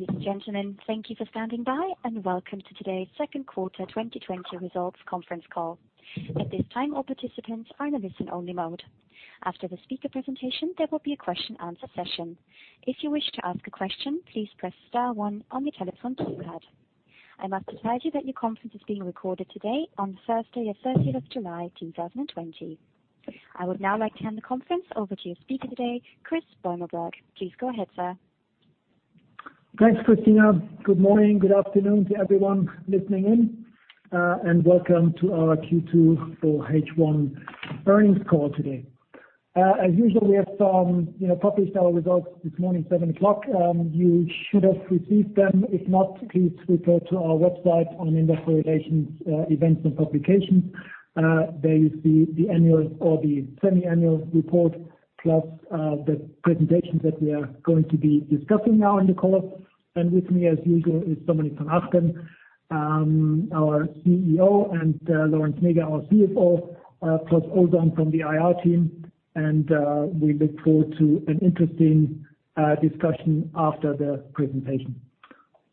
Ladies and gentlemen, thank you for standing by, and welcome to today's second quarter 2020 results conference call. At this time, all participants are in a listen-only mode. After the speaker presentation, there will be a question answer session. If you wish to ask a question, please press star one on your telephone keypad. I must advise you that your conference is being recorded today on Thursday, July 30, 2020. I would now like to hand the conference over to your speaker today, Chris Beumelburg. Please go ahead, sir. Thanks, Christina. Good morning, good afternoon to everyone listening in, and welcome to our Q2 for H1 earnings call today. As usual, we have, you know, published our results this morning, 7:00 A.M., you should have received them. If not, please refer to our website on investor relations, events and publications. There is the annual or the semi-annual report, plus the presentations that we are going to be discussing now in the call. With me, as usual, is Dominik von Achten, our CEO and Lorenz Näger, our CFO, plus Ozan from the IR team. We look forward to an interesting discussion after the presentation.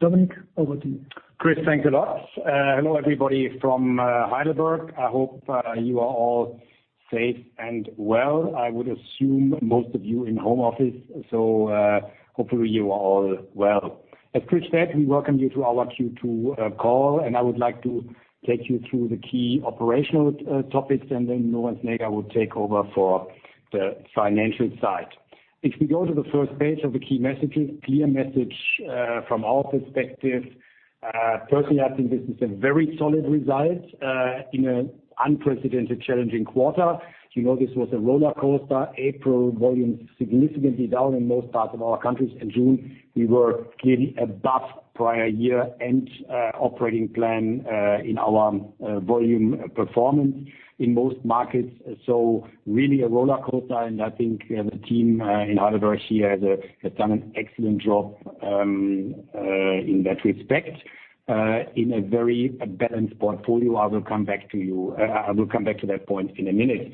Dominik, over to you. Chris, thanks a lot. Hello, everybody from Heidelberg. I hope you are all safe and well. I would assume most of you in home office. Hopefully you are all well. As Chris said, we welcome you to our Q2 call. I would like to take you through the key operational topics. Lorenz Näger will take over for the financial side. If we go to the first page of the key messages, clear message from our perspective. Personally, I think this is a very solid result in an unprecedented challenging quarter. You know, this was a roller coaster. April volume significantly down in most parts of our countries. In June, we were clearly above prior year end operating plan in our volume performance in most markets. Really a roller coaster, and I think the team in Heidelberg here has done an excellent job in that respect, in a very balanced portfolio. I will come back to that point in a minute.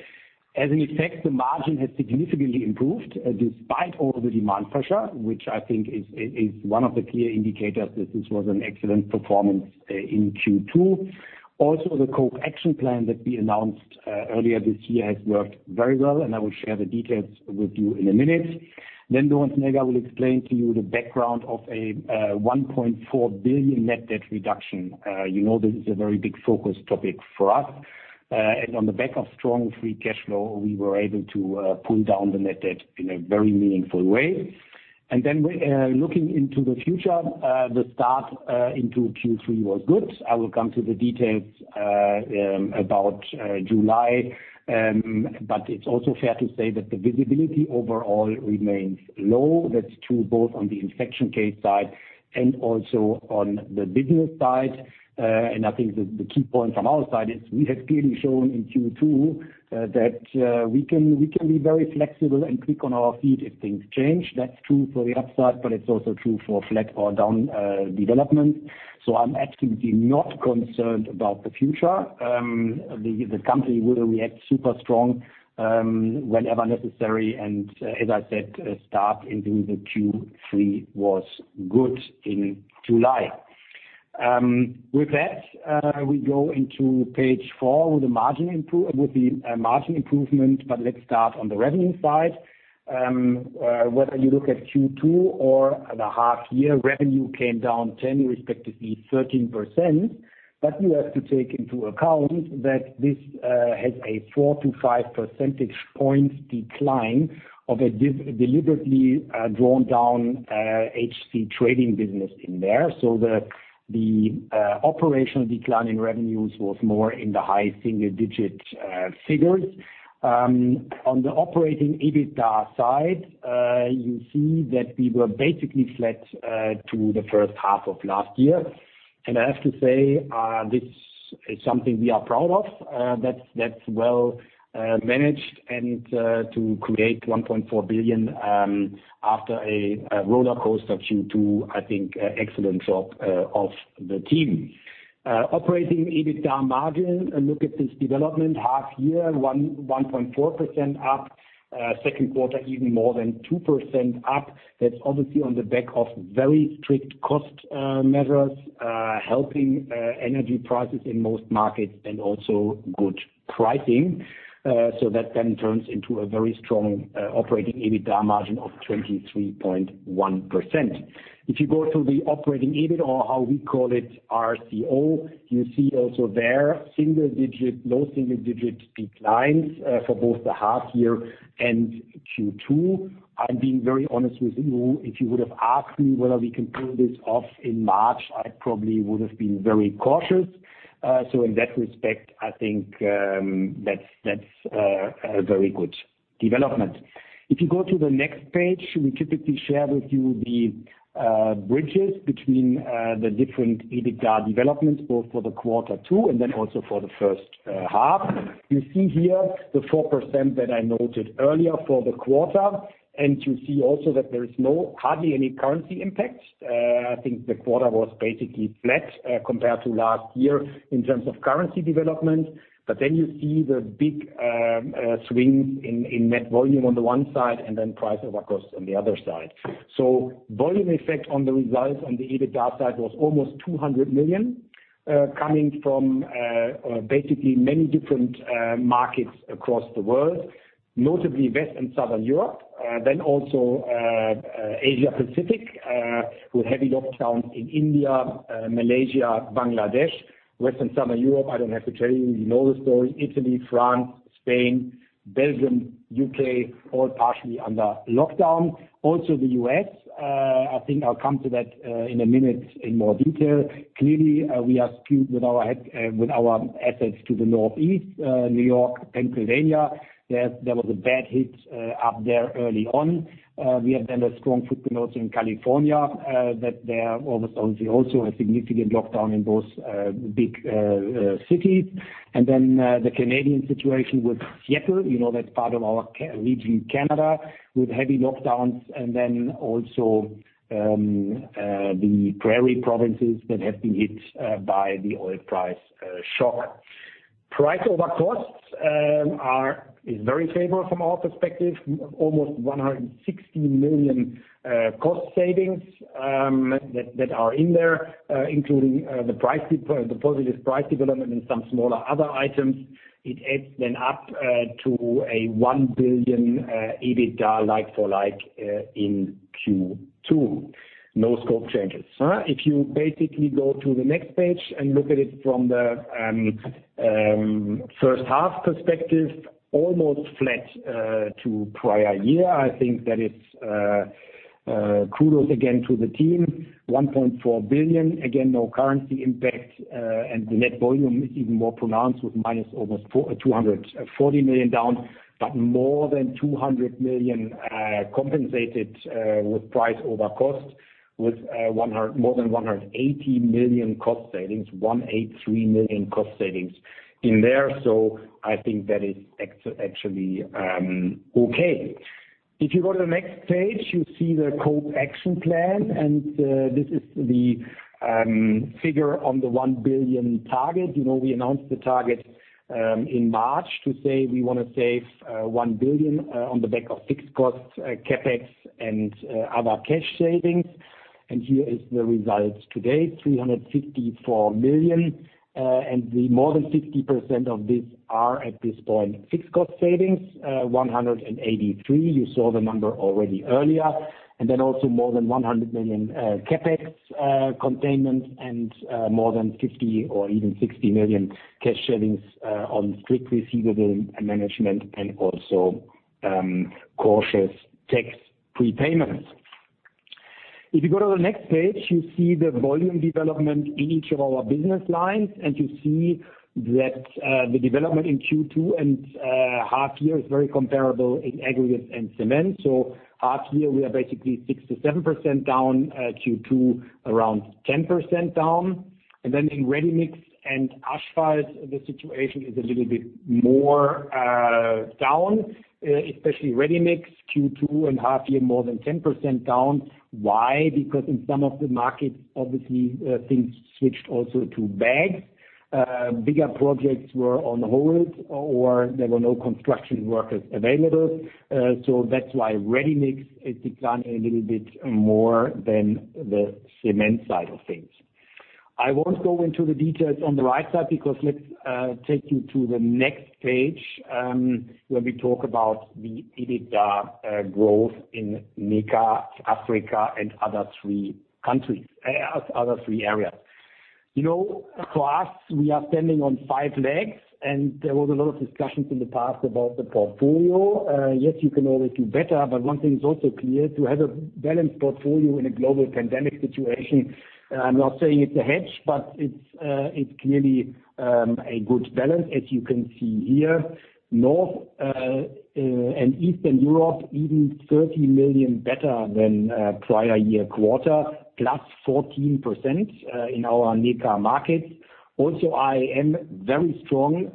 As an effect, the margin has significantly improved despite all the demand pressure, which I think is one of the clear indicators that this was an excellent performance in Q2. Also, the COPE action plan that we announced earlier this year has worked very well, and I will share the details with you in a minute. Lorenz Näger will explain to you the background of a 1.4 billion net debt reduction. You know this is a very big focus topic for us. On the back of strong free cash flow, we were able to pull down the net debt in a very meaningful way. We're looking into the future, the start into Q3 was good. I will come to the details about July. It's also fair to say that the visibility overall remains low. That's true both on the infection case side and also on the business side. I think the key point from our side is we have clearly shown in Q2 that we can be very flexible and quick on our feet if things change. That's true for the upside, but it's also true for flat or down development. I'm absolutely not concerned about the future. The company will react super strong whenever necessary. As I said, start into the Q3 was good in July. With that, we go into page four with the margin improvement, let's start on the revenue side. Whether you look at Q2 or the half year, revenue came down 10, respectively 13%. You have to take into account that this has a 4 percentage points-5 percentage points decline of a deliberately drawn down HC Trading business in there. The operational decline in revenues was more in the high single-digit figures. On the Operating EBITDA side, you see that we were basically flat to the first half of last year. I have to say, this is something we are proud of, that's well managed and to create 1.4 billion after a roller coaster of Q2, I think, excellent job of the team. Operating EBITDA margin, look at this development. Half year, 1.4% up. Second quarter, even more than 2% up. That's obviously on the back of very strict cost measures, helping energy prices in most markets and also good pricing. That then turns into a very strong Operating EBITDA margin of 23.1%. If you go to the Operating EBIT, or how we call it RCO, you see also there single-digit, low single-digit declines for both the half year and Q2. I'm being very honest with you. If you would have asked me whether we can pull this off in March, I probably would have been very cautious. In that respect, I think that's a very good development. If you go to the next page, we typically share with you the bridges between the different EBITDA developments, both for Q2 and also for the first half. You see here the 4% that I noted earlier for the quarter. You see also that there is hardly any currency impact. I think the quarter was basically flat compared to last year in terms of currency development. You see the big swings in net volume on the one side and price over costs on the other side. Volume effect on the results on the EBITDA side was almost 200 million, coming from basically many different markets across the world, notably West and Southern Europe. Then also Asia Pacific, with heavy lockdowns in India, Malaysia, Bangladesh. Western and Southern Europe, I don't have to tell you know the story. Italy, France, Spain, Belgium, U.K., all partially under lockdown. Also the U.S., I think I'll come to that in a minute in more detail. Clearly, we are skewed with our assets to the Northeast, New York, Pennsylvania. There was a bad hit up there early on. We have then a strong footprint also in California, that there obviously also a significant lockdown in those big cities. The Canadian situation with Seattle, you know that's part of our region, Canada, with heavy lockdowns, and also the prairie provinces that have been hit by the oil price shock. Price over costs is very favorable from our perspective. Almost 160 million cost savings that are in there, including the positive price development in some smaller other items. It adds then up to a 1 billion EBITDA like for like in Q2. No scope changes. If you basically go to the next page and look at it from the first half perspective, almost flat to prior year. I think that is kudos again to the team. 1.4 billion, again, no currency impact. The net volume is even more pronounced with minus almost 240 million down, but more than 200 million compensated with price over cost, with more than 180 million cost savings, 183 million cost savings in there. I think that is actually okay. If you go to the next page, you see the COPE action plan. This is the figure on the 1 billion target. You know, we announced the target in March to say we wanna save 1 billion on the back of fixed costs, CapEx and other cash savings. Here is the results today, 354 million. The more than 60% of this are at this point fixed cost savings, 183 million. You saw the number already earlier. More than 100 million CapEx containment and more than 50 million or even EUR 60 million cash savings on strict receivable management and also cautious tax prepayments. If you go to the next page, you see the volume development in each of our business lines, and you see that the development in Q2 and half year is very comparable in aggregate and cement. Half year we are basically 67% down, Q2 around 10% down. In ready-mix and asphalt, the situation is a little bit more down, especially ready-mix Q2 and half year more than 10% down. Why? In some of the markets, obviously, things switched also to bags. Bigger projects were on hold or there were no construction workers available. That's why ready-mix is declined a little bit more than the cement side of things. I won't go into the details on the right side because let's take you to the next page, where we talk about the EBITDA growth in AEM, Africa, and other three countries, other three areas. You know, for us, we are standing on five legs, there was a lot of discussions in the past about the portfolio. Yes, you can always do better, but one thing is also clear, to have a balanced portfolio in a global pandemic situation, I'm not saying it's a hedge, but it's clearly a good balance as you can see here. North and Eastern Europe, even 30 million better than prior year quarter, plus 14% in our AEM markets. Also, I am very strong,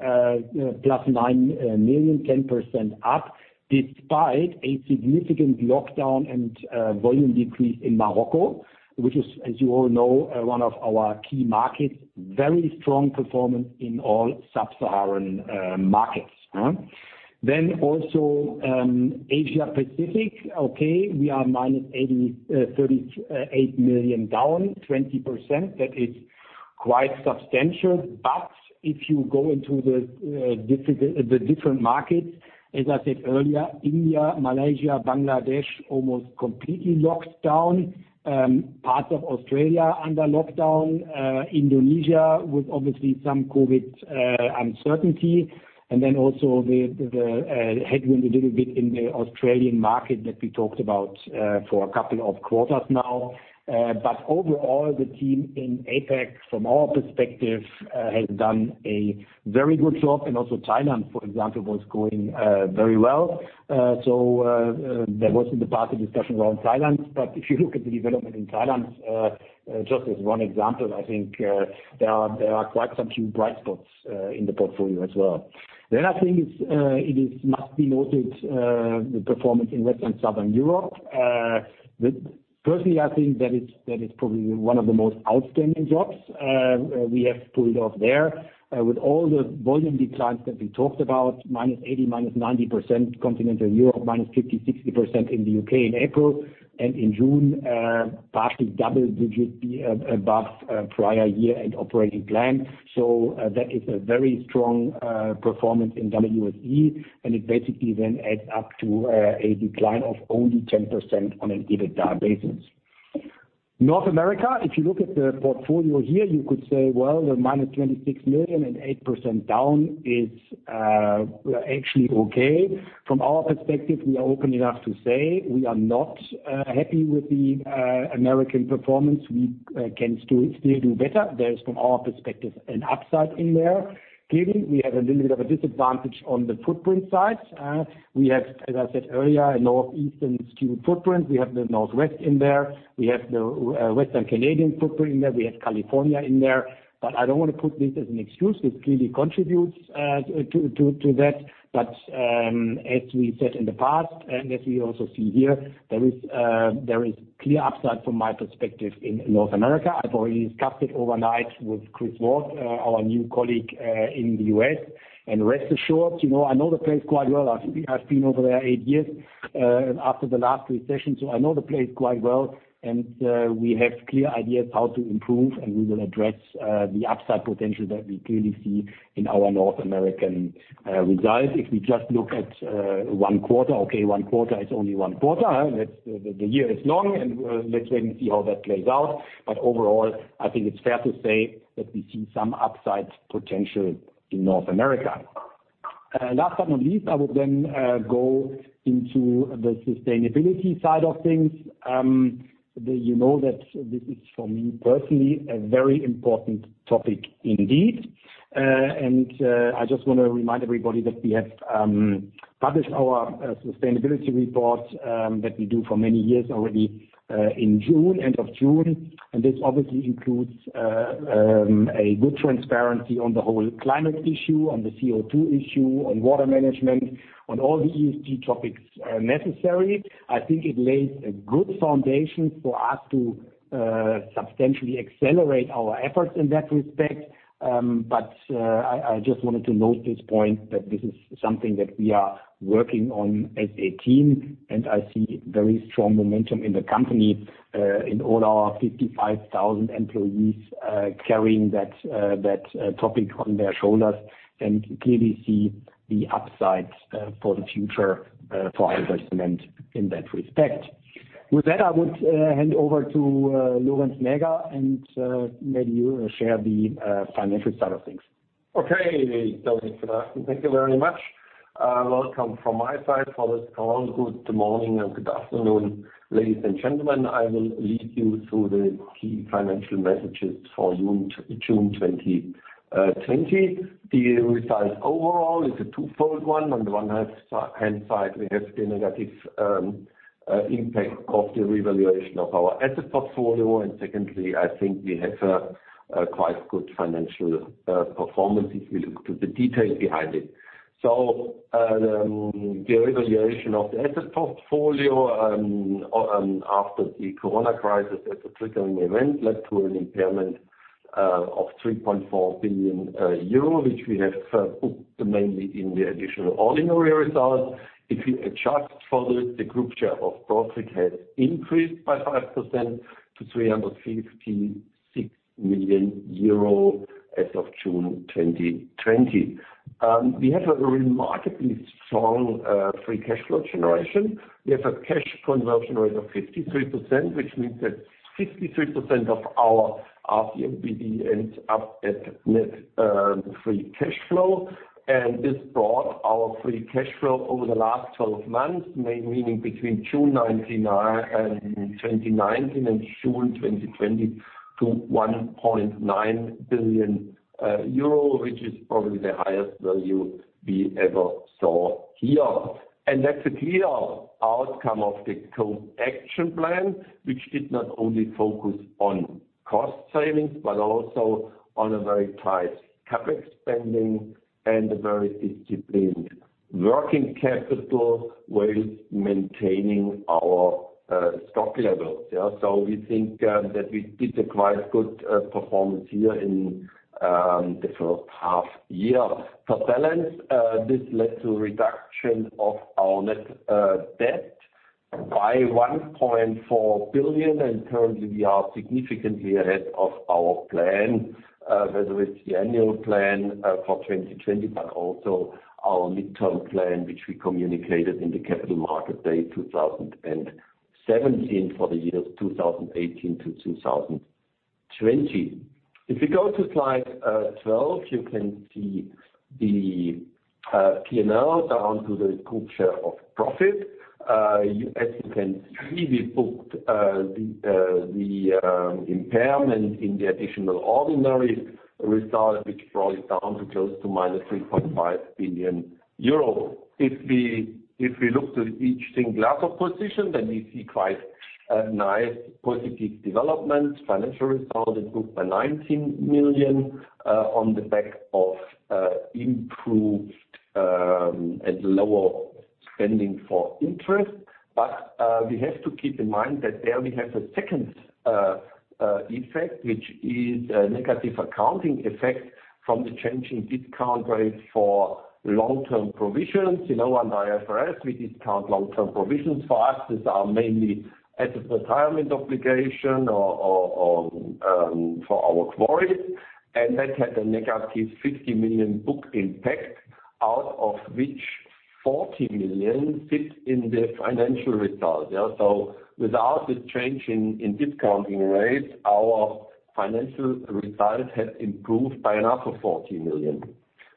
plus 9 million, 10% up, despite a significant lockdown and volume decrease in Morocco, which is, as you all know, one of our key markets, very strong performance in all sub-Saharan markets. Asia Pacific, we are minus EUR 38 million down, 20%. That is quite substantial. If you go into the different markets, as I said earlier, India, Malaysia, Bangladesh, almost completely locked down. Parts of Australia under lockdown, Indonesia with obviously some COVID uncertainty. The headwind a little bit in the Australian market that we talked about for a couple of quarters now. Overall, the team in APAC from our perspective has done a very good job. Also Thailand, for example, was going very well. There was in the past a discussion around Thailand, but if you look at the development in Thailand, just as one example, I think there are quite some few bright spots in the portfolio as well. I think it is must be noted the performance in Western and Southern Europe. Personally, I think that is probably one of the most outstanding jobs we have pulled off there. With all the volume declines that we talked about, -80%, -90% Continental Europe, -50%, -60% in the U.K. in April, and in June, partly double digit above prior year and operating plan. That is a very strong performance in WSE, and it basically then adds up to a decline of only 10% on an EBITDA basis. North America, if you look at the portfolio here, you could say, "Well, the -26 million and 8% down is actually okay." From our perspective, we are not happy with the American performance. We can still do better. There is, from our perspective, an upside in there. Clearly, we have a little bit of a disadvantage on the footprint side. We have, as I said earlier, a northeastern skewed footprint. We have the Northwest in there. We have the Western Canadian footprint in there. We have California in there. I don't wanna put this as an excuse. This clearly contributes to that. As we said in the past, and as we also see here, there is clear upside from my perspective in North America. I've already discussed it overnight with Chris Ward, our new colleague in the U.S. Rest assured, you know, I know the place quite well. I've been over there eight years after the last recession, so I know the place quite well. We have clear ideas how to improve, and we will address the upside potential that we clearly see in our North American results. If we just look at one quarter, okay, one quarter is only one quarter. The year is long, and let's wait and see how that plays out. Overall, I think it's fair to say that we see some upside potential in North America. Last but not least, I would then go into the sustainability side of things. You know that this is, for me personally, a very important topic indeed. I just wanna remind everybody that we have published our sustainability report that we do for many years already in June, end of June. This obviously includes a good transparency on the whole climate issue, on the CO2 issue, on water management, on all the ESG topics necessary. I think it lays a good foundation for us to substantially accelerate our efforts in that respect. I just wanted to note this point that this is something that we are working on as a team, and I see very strong momentum in the company, in all our 55,000 employees, carrying that topic on their shoulders, and clearly see the upside for the future, for our investment in that respect. With that, I would hand over to Lorenz Näger, and maybe you share the financial side of things. Okay. Thank you very much. Welcome from my side for this call. Good morning and good afternoon, ladies and gentlemen. I will lead you through the key financial messages for June 2020. The results overall is a twofold one. On the one half hand side, we have the negative impact of the revaluation of our asset portfolio. Secondly, I think we have a quite good financial performance if you look to the details behind it. The revaluation of the asset portfolio after the COVID crisis as a triggering event led to an impairment of 3.4 billion euro, which we have booked mainly in the additional ordinary results. If you adjust for this, the group share of profit has increased by 5% to 356 million euro as of June 2020. We have a remarkably strong free cash flow generation. We have a cash conversion rate of 53%, which means that 53% of our RCOBD ends up at net free cash flow. This brought our free cash flow over the last 12 months, meaning between June 2019 and June 2020 to 1.9 billion euro, which is probably the highest value we ever saw here. That's a clear outcome of the COPE action plan, which did not only focus on cost savings, but also on a very tight CapEx spending and a very disciplined working capital while maintaining our stock levels. We think that we did a quite good performance here in the first half year. Per balance, this led to reduction of our net debt by 1.4 billion, and currently we are significantly ahead of our plan, whether it's the annual plan for 2020, but also our midterm plan, which we communicated in the capital market day 2017 for the years 2018 to 2020. If you go to slide 12, you can see the P&L down to the group share of profit. As you can see, we booked the impairment in the additional ordinary result, which brought it down to close to minus 3.5 billion euro. If we look to each singular position, we see quite a nice positive development. Financial result improved by 19 million on the back of improved and lower spending for interest. We have to keep in mind that there we have a second effect, which is a negative accounting effect from the change in discount rates for long-term provisions. You know, on IFRS, we discount long-term provisions. For us, these are mainly asset retirement obligation for our quarries. That had a negative 50 million book impact, out of which 40 million fits in the financial result. Without the change in discounting rates, our financial results have improved by another 40 million.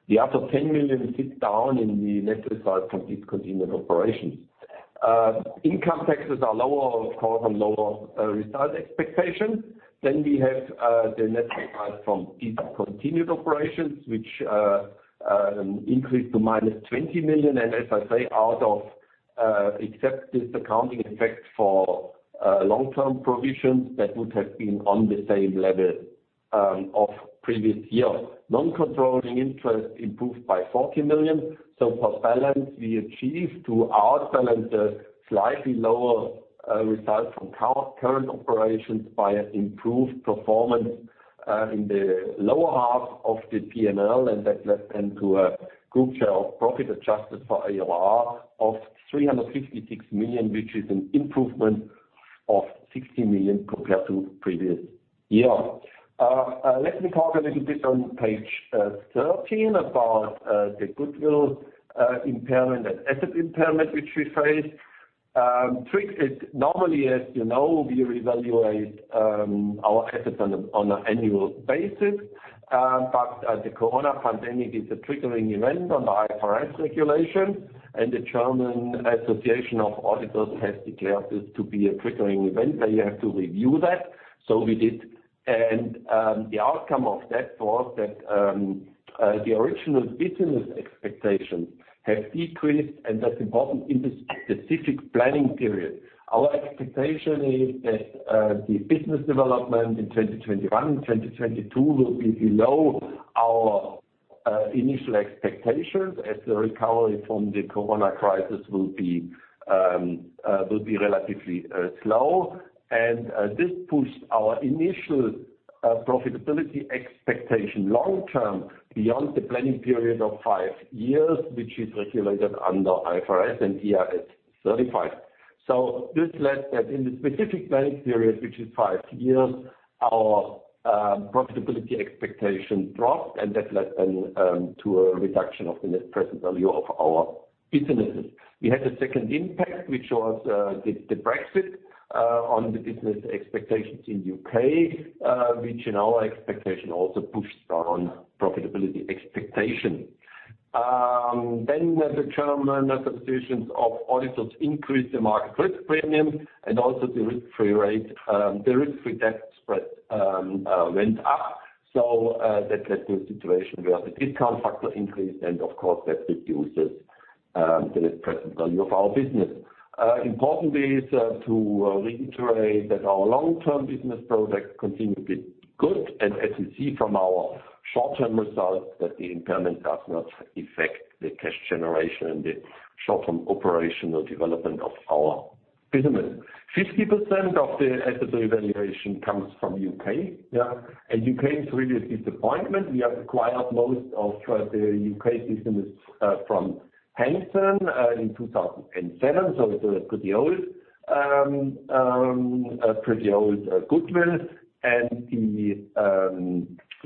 The other 10 million sits down in the net result from discontinued operations. Income taxes are lower, of course, on lower result expectations. The net result from discontinued operations, which increased to minus 20 million. Out of, except this accounting effect for long-term provisions, that would have been on the same level of previous years. Non-controlling interest improved by 40 million. Per se, we achieved to our standards slightly lower results from current operations by an improved performance in the lower half of the P&L. That led to a group share of profit adjusted for AOR of 356 million, which is an improvement of 60 million compared to previous years. Let me talk a little bit on page 13 about the goodwill impairment and asset impairment which we faced. Trick is normally, as you know, we reevaluate our assets on an annual basis. The COVID pandemic is a triggering event on the IFRS regulations, and the German Association of Auditors has declared this to be a triggering event that you have to review that. We did. The outcome of that was that the original business expectations have decreased, and that's important in the specific planning period. Our expectation is that the business development in 2021 and 2022 will be below our initial expectations as the recovery from the COVID crisis will be relatively slow. This pushed our initial profitability expectation long-term beyond the planning period of five years, which is regulated under IFRS and IAS 35. This led that in the specific planning period, which is five years, our profitability expectation dropped, and that led to a reduction of the net present value of our businesses. We had a second impact, which was the Brexit on the business expectations in U.K., which in our expectation also pushed down profitability expectation. The German Association of Auditors increased the market risk premium and also the risk-free rate. The risk-free debt spread went up, so that led to a situation where the discount factor increased and of course that reduces the net present value of our business. Importantly is to reiterate that our long-term business prospects continue to be good. As you see from our short-term results, that the impairment does not affect the cash generation and the short-term operational development of our business. 50% of the asset revaluation comes from U.K. Yeah. U.K. is really a disappointment. We acquired most of the U.K. business from Hanson in 2007, so it's pretty old goodwill.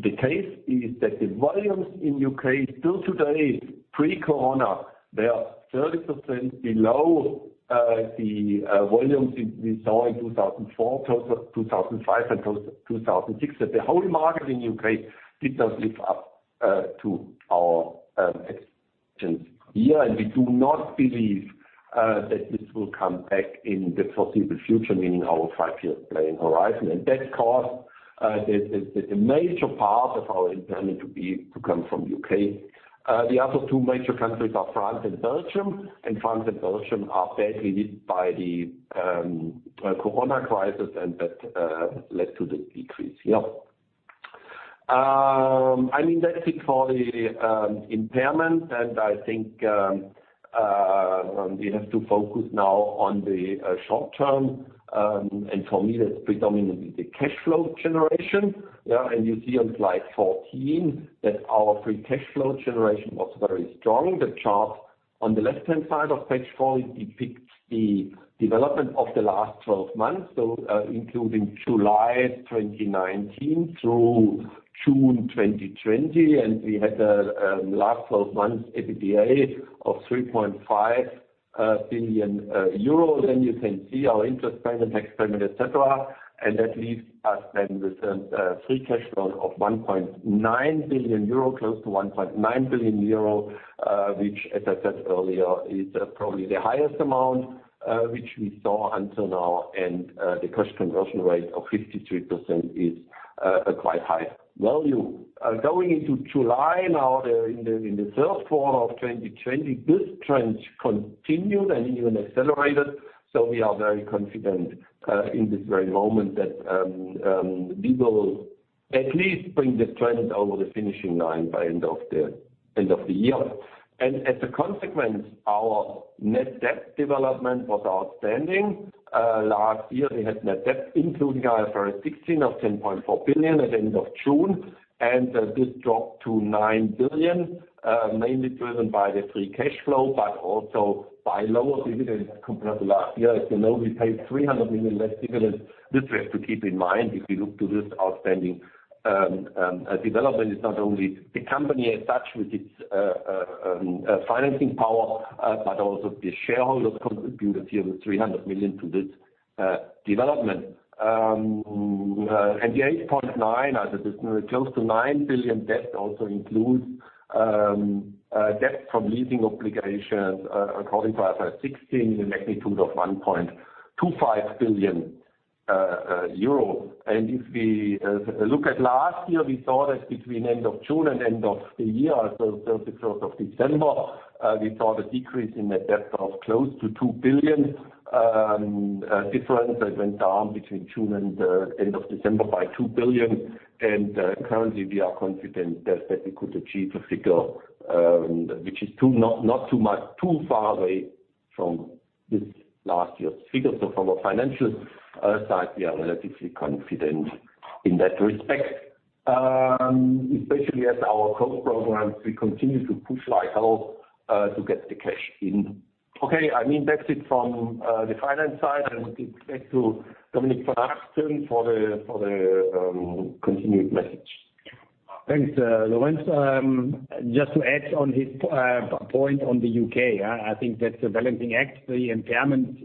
The case is that the volumes in U.K. still today, pre-COVID, they are 30% below the volumes we saw in 2004, 2005 and 2006. The whole market in U.K. did not live up to our expectations here. We do not believe that this will come back in the foreseeable future, meaning our five-year planning horizon. That caused the major part of our impairment to come from U.K. The other two major countries are France and Belgium, France and Belgium are badly hit by the COVID crisis and that led to the decrease here. I mean, that's it for the impairment, I think we have to focus now on the short term. For me, that's predominantly the cash flow generation. You see on slide 14 that our free cash flow generation was very strong. The chart on the left-hand side of page four depicts the development of the last 12 months, so including July 2019 through June 2020. We had a last 12 months EBITDA of 3.5 billion euros. You can see our interest payment, tax payment, et cetera. That leaves us then with free cash flow of 1.9 billion euro, close to 1.9 billion euro, which as I said earlier, is probably the highest amount which we saw until now. The cash conversion rate of 53% is a quite high value. Going into July now in the third quarter of 2020, this trend continued and even accelerated. We are very confident in this very moment that we will at least bring this trend over the finishing line by end of the year. As a consequence, our net debt development was outstanding. Last year we had net debt, including IFRS 16 of 10.4 billion at the end of June. This dropped to 9 billion, mainly driven by the free cash flow, but also by lower dividends compared to last year. As you know, we paid 300 million less dividends. This we have to keep in mind if we look to this outstanding development. It's not only the company as such with its financing power, but also the shareholders contributed here the 300 million to this development. The 8.9 billion as a business, close to 9 billion debt also includes debt from leasing obligations according to IFRS 16 in the magnitude of 1.25 billion euro. If we look at last year, we saw that between end of June and end of the year, so the close of December, we saw the decrease in the debt of close to 2 billion, difference that went down between June and the end of December by 2 billion. Currently we are confident that we could achieve a figure which is not too far away from this last year's figures. From a financial side, we are relatively confident in that respect. Especially as our COPE program, we continue to push like hell to get the cash in. Okay, I mean, that's it from the finance side. I would give back to Dominik for asking for the continued message. Thanks, Lorenz. Just to add on his point on the U.K., I think that's a balancing act. The impairment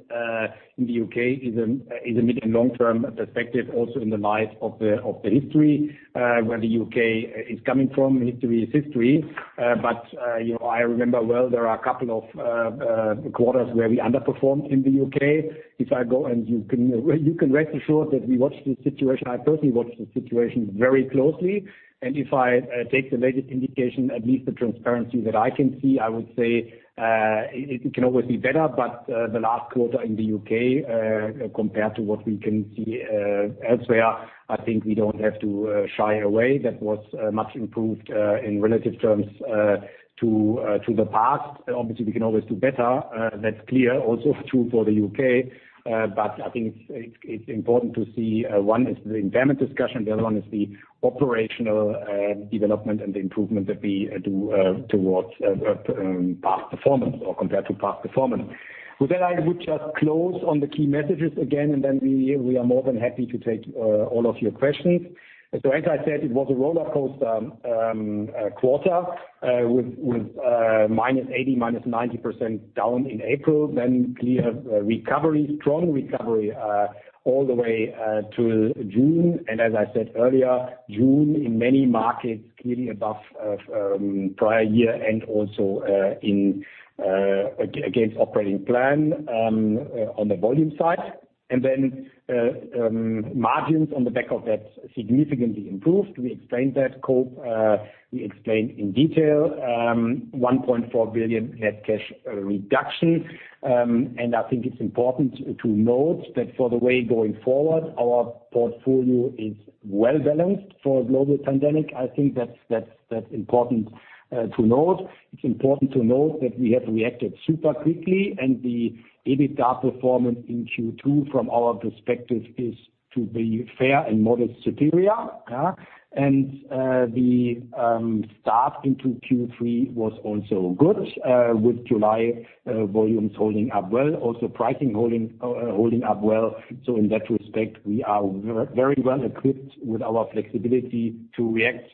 in the U.K. is a medium, long-term perspective also in the light of the history where the U.K. is coming from. History is history. You know, I remember well there are a couple of quarters where we underperformed in the U.K. If I go and you can rest assured that we watch the situation. I personally watch the situation very closely. If I take the latest indication, at least the transparency that I can see, I would say, it can always be better. The last quarter in the U.K., compared to what we can see elsewhere, I think we don't have to shy away. That was much improved in relative terms to to the past. Obviously, we can always do better. That's clear also true for the UK. I think it's, it's important to see, one is the impairment discussion, the other one is the operational development and the improvement that we do towards past performance or compared to past performance. With that, I would just close on the key messages again, and then we are more than happy to take all of your questions. As I said, it was a roller coaster quarter with with -80%, -90% down in April, then clear recovery, strong recovery all the way to June. As I said earlier, June in many markets, clearly above prior year and also against operating plan on the volume side. Margins on the back of that significantly improved. We explained that COPE, we explained in detail, 1.4 billion net cash reduction. I think it's important to note that for the way going forward, our portfolio is well balanced for a global pandemic. I think that's important to note. It's important to note that we have reacted super quickly, and the EBITDA performance in Q2 from our perspective is to be fair and modest superior. Yeah. The start into Q3 was also good with July volumes holding up well, also pricing holding up well. In that respect, we are very well equipped with our flexibility to react,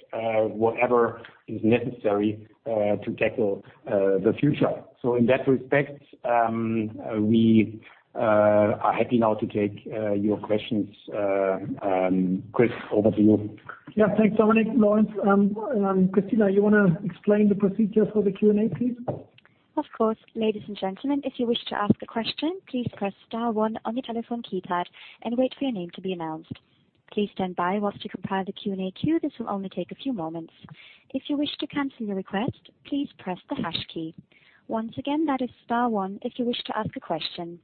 whatever is necessary, to tackle the future. In that respect, we are happy now to take your questions. Chris, over to you. Yeah. Thanks, Dominik, Lorenz. Christina, you wanna explain the procedure for the Q&A, please? Of course. Ladies and gentlemen, if you wish to ask a question, please press star one on your telephone keypad and wait for your name to be announced. Please stand by whilst you compile the Q&A queue. This will only take a few moments. If you wish to cancel your request, please press the hash key. Once again, that is star one if you wish to ask a question.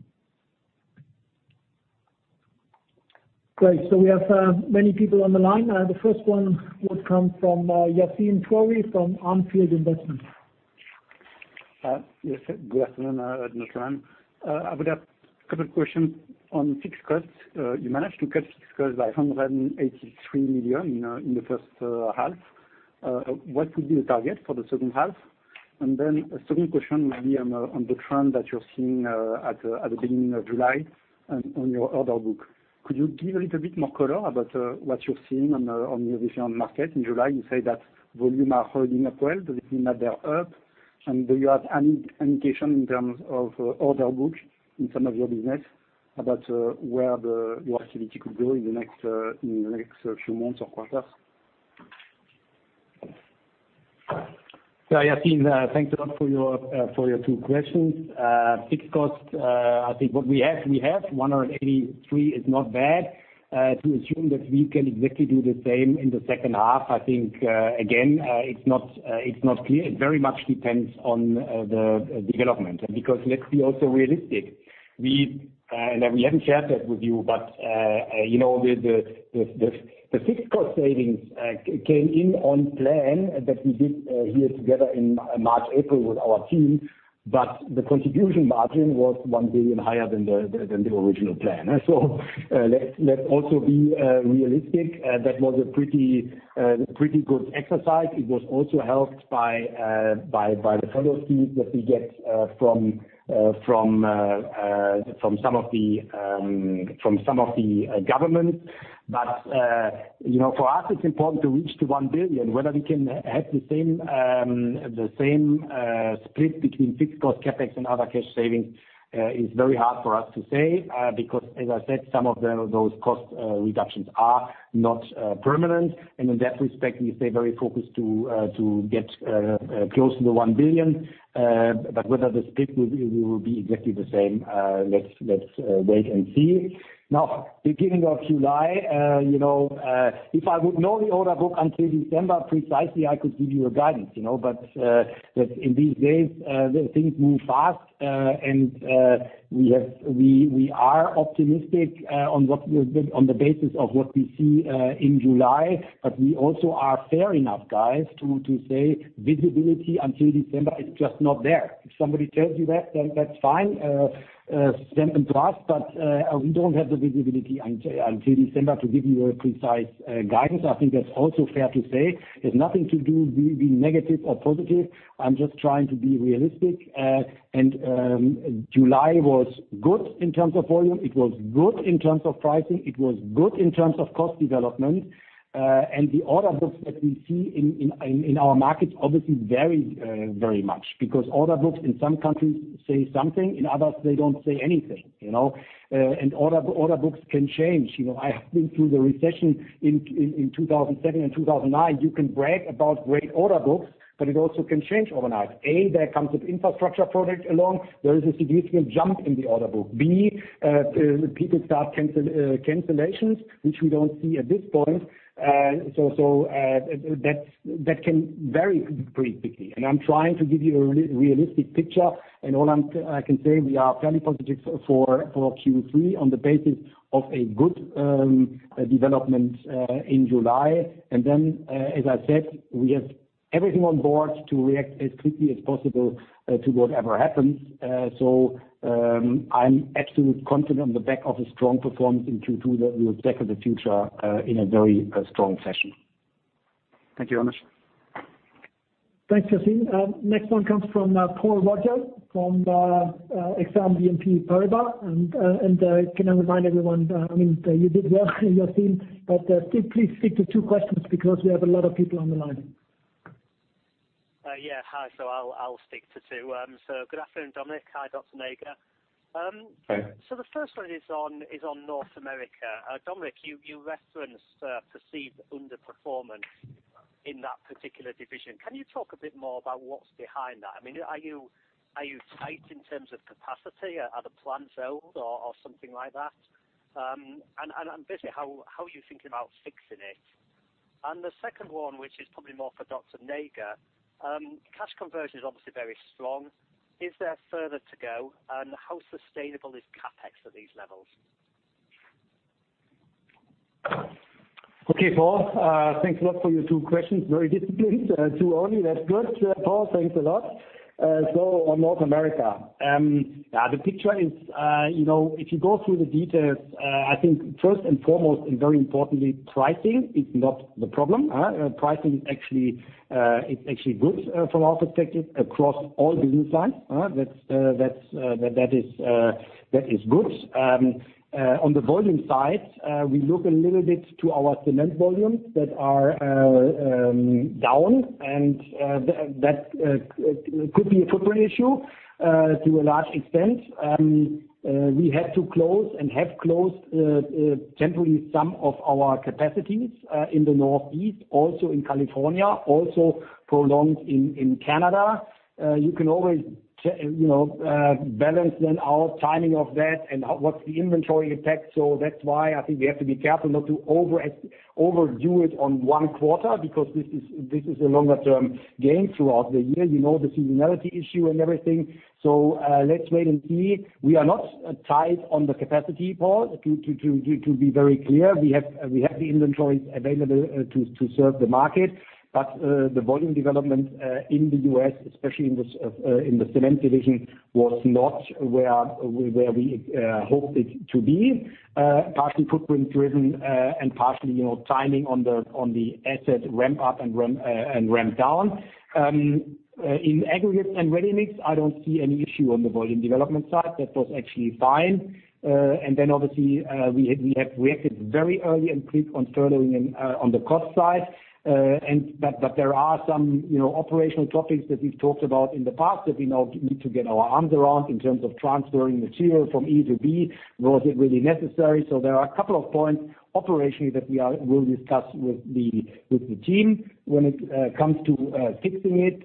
Great. We have many people on the line. The first one would come from Yassine Touahri from On Field Investment Research. Yes, sir. Good afternoon, gentlemen. I would have a couple of questions on fixed costs. You managed to cut fixed costs by 183 million in the first half. What would be the target for the second half? Then a second question maybe on the trend that you're seeing at the beginning of July and on your order book. Could you give a little bit more color about what you're seeing on the [division market] in July? You say that volume are holding up well. Does it mean that they're up? Do you have any indication in terms of order book in some of your business about where your activity could go in the next few months or quarters? Yassine, thanks a lot for your for your two questions. Fixed costs, I think what we have, we have 183 millionis not bad. To assume that we can exactly do the same in the second half, I think, again, it's not, it's not clear. It very much depends on the development. Because let's be also realistic, we, and we haven't shared that with you, but, you know, the, the, the fixed cost savings came in on plan that we did here together in March, April with our team, but the contribution margin was 1 billion higher than the, than the original plan. Let's, let's also be realistic. That was a pretty good exercise. It was also helped by the furlough fees that we get from some of the governments. You know, for us, it's important to reach to 1 billion. Whether we can have the same split between fixed cost CapEx and other cash savings is very hard for us to say, because as I said, some of those cost reductions are not permanent. In that respect, we stay very focused to get close to 1 billion. Whether the split will be exactly the same, let's wait and see. Now, beginning of July, you know, if I would know the order book until December precisely, I could give you a guidance. You know? In these days, things move fast. We are optimistic, on the basis of what we see, in July. We also are fair enough, guys, to say visibility until December is just not there. If somebody tells you that, then that's fine, send them to us. We don't have the visibility until December to give you a precise guidance. I think that's also fair to say. It's nothing to do be negative or positive. I'm just trying to be realistic. July was good in terms of volume. It was good in terms of pricing. It was good in terms of cost development. The order books that we see in our markets obviously vary very much because order books in some countries say something, in others, they don't say anything. You know. Order books can change. You know, I have been through the recession in 2007 and 2009. You can brag about great order books, but it also can change overnight. A, there comes an infrastructure project along. There is a significant jump in the order book. B, people start cancellations, which we don't see at this point. So that can vary pretty quickly. I'm trying to give you a realistic picture and all I can say we are fairly positive for Q3 on the basis of a good development in July. As I said, we have everything on board to react as quickly as possible to whatever happens. I'm absolutely confident on the back of a strong performance in Q2 that we will tackle the future in a very strong fashion. Thank you, Achten. Thanks, Yassine. Next one comes from Paul Roger from Exane BNP Paribas. Can I remind everyone, I mean, you did well Yassine, but still please stick to two questions because we have a lot of people on the line. Yeah. Hi. I'll stick to two. Good afternoon, Dominik. Hi, Dr. Näger. Hi. The first one is on North America. Dominik, you referenced perceived underperformance in that particular division. Can you talk a bit more about what's behind that? I mean, are you tight in terms of capacity? Are the plants out or something like that? Basically, how are you thinking about fixing it? The second one, which is probably more for Dr. Näger, cash conversion is obviously very strong. Is there further to go? How sustainable is CapEx at these levels? Okay, Paul. Thanks a lot for your two questions. Very disciplined. Two only. That's good. Paul, thanks a lot. On North America, yeah, the picture is, you know, if you go through the details, I think first and foremost and very importantly, pricing is not the problem. Pricing actually is actually good from our perspective across all business lines. That's that is good. On the volume side, we look a little bit to our cement volumes that are down and that could be a footprint issue to a large extent. We had to close and have closed temporarily some of our capacities in the Northeast, also in California, also prolonged in Canada. You can always you know, balance then our timing of that and what's the inventory impact. That's why I think we have to be careful not to overdo it on one quarter because this is a longer term gain throughout the year. You know, the seasonality issue and everything. Let's wait and see. We are not tight on the capacity, Paul, to be very clear. We have the inventories available to serve the market. The volume development in the U.S., especially in this in the cement division, was not where we hoped it to be. Partly footprint driven and partly, you know, timing on the asset ramp up and ramp down. In aggregate and ready-mix, I don't see any issue on the volume development side. That was actually fine. Obviously, we have reacted very early and quick on [sterling] and on the cost side. But there are some, you know, operational topics that we've talked about in the past that we now need to get our arms around in terms of transferring material from A to B. Was it really necessary? There are a couple of points operationally that we will discuss with the team when it comes to fixing it.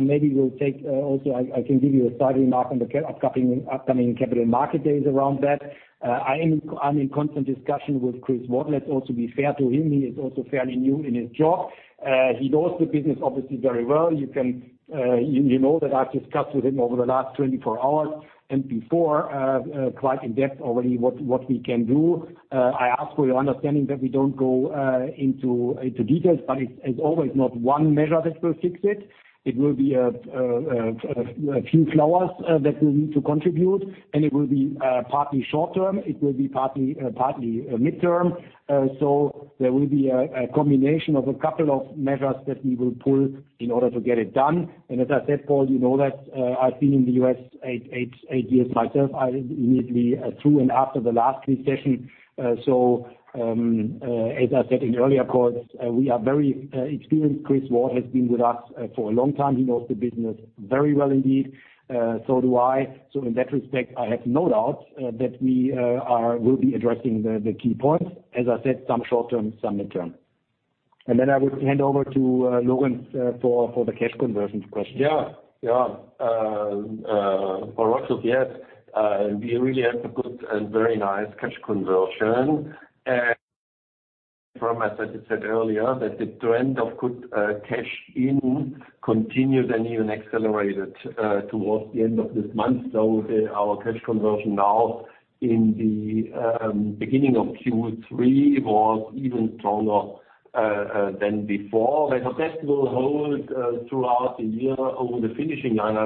Maybe we'll take, also I can give you a starting mark on the upcoming capital market days around that. I'm in constant discussion with Chris Ward. Let's also be fair to him. He is also fairly new in his job. He knows the business obviously very well. You know that I've discussed with him over the last 24 hours and before, quite in depth already what we can do. I ask for your understanding that we don't go into details, but it's, as always, not one measure that will fix it. It will be a few flowers that will need to contribute, and it will be partly short term, it will be partly midterm. So there will be a combination of a couple of measures that we will pull in order to get it done. As I said, Paul, you know that I've been in the U.S. eight years myself. I immediately through and after the last recession. As I said in earlier calls, we are very experienced. Chris Ward has been with us for a long time. He knows the business very well indeed. So do I. In that respect, I have no doubt that we will be addressing the key points. As I said, some short term, some midterm. I would hand over to Lorenz for the cash conversion question. Yeah. Yeah. For us so far, we really had a good and very nice cash conversion. From, as I just said earlier, that the trend of good cash in continued and even accelerated towards the end of this month. Our cash conversion now in the beginning of Q3 was even stronger than before. Whether that will hold throughout the year over the finishing line, I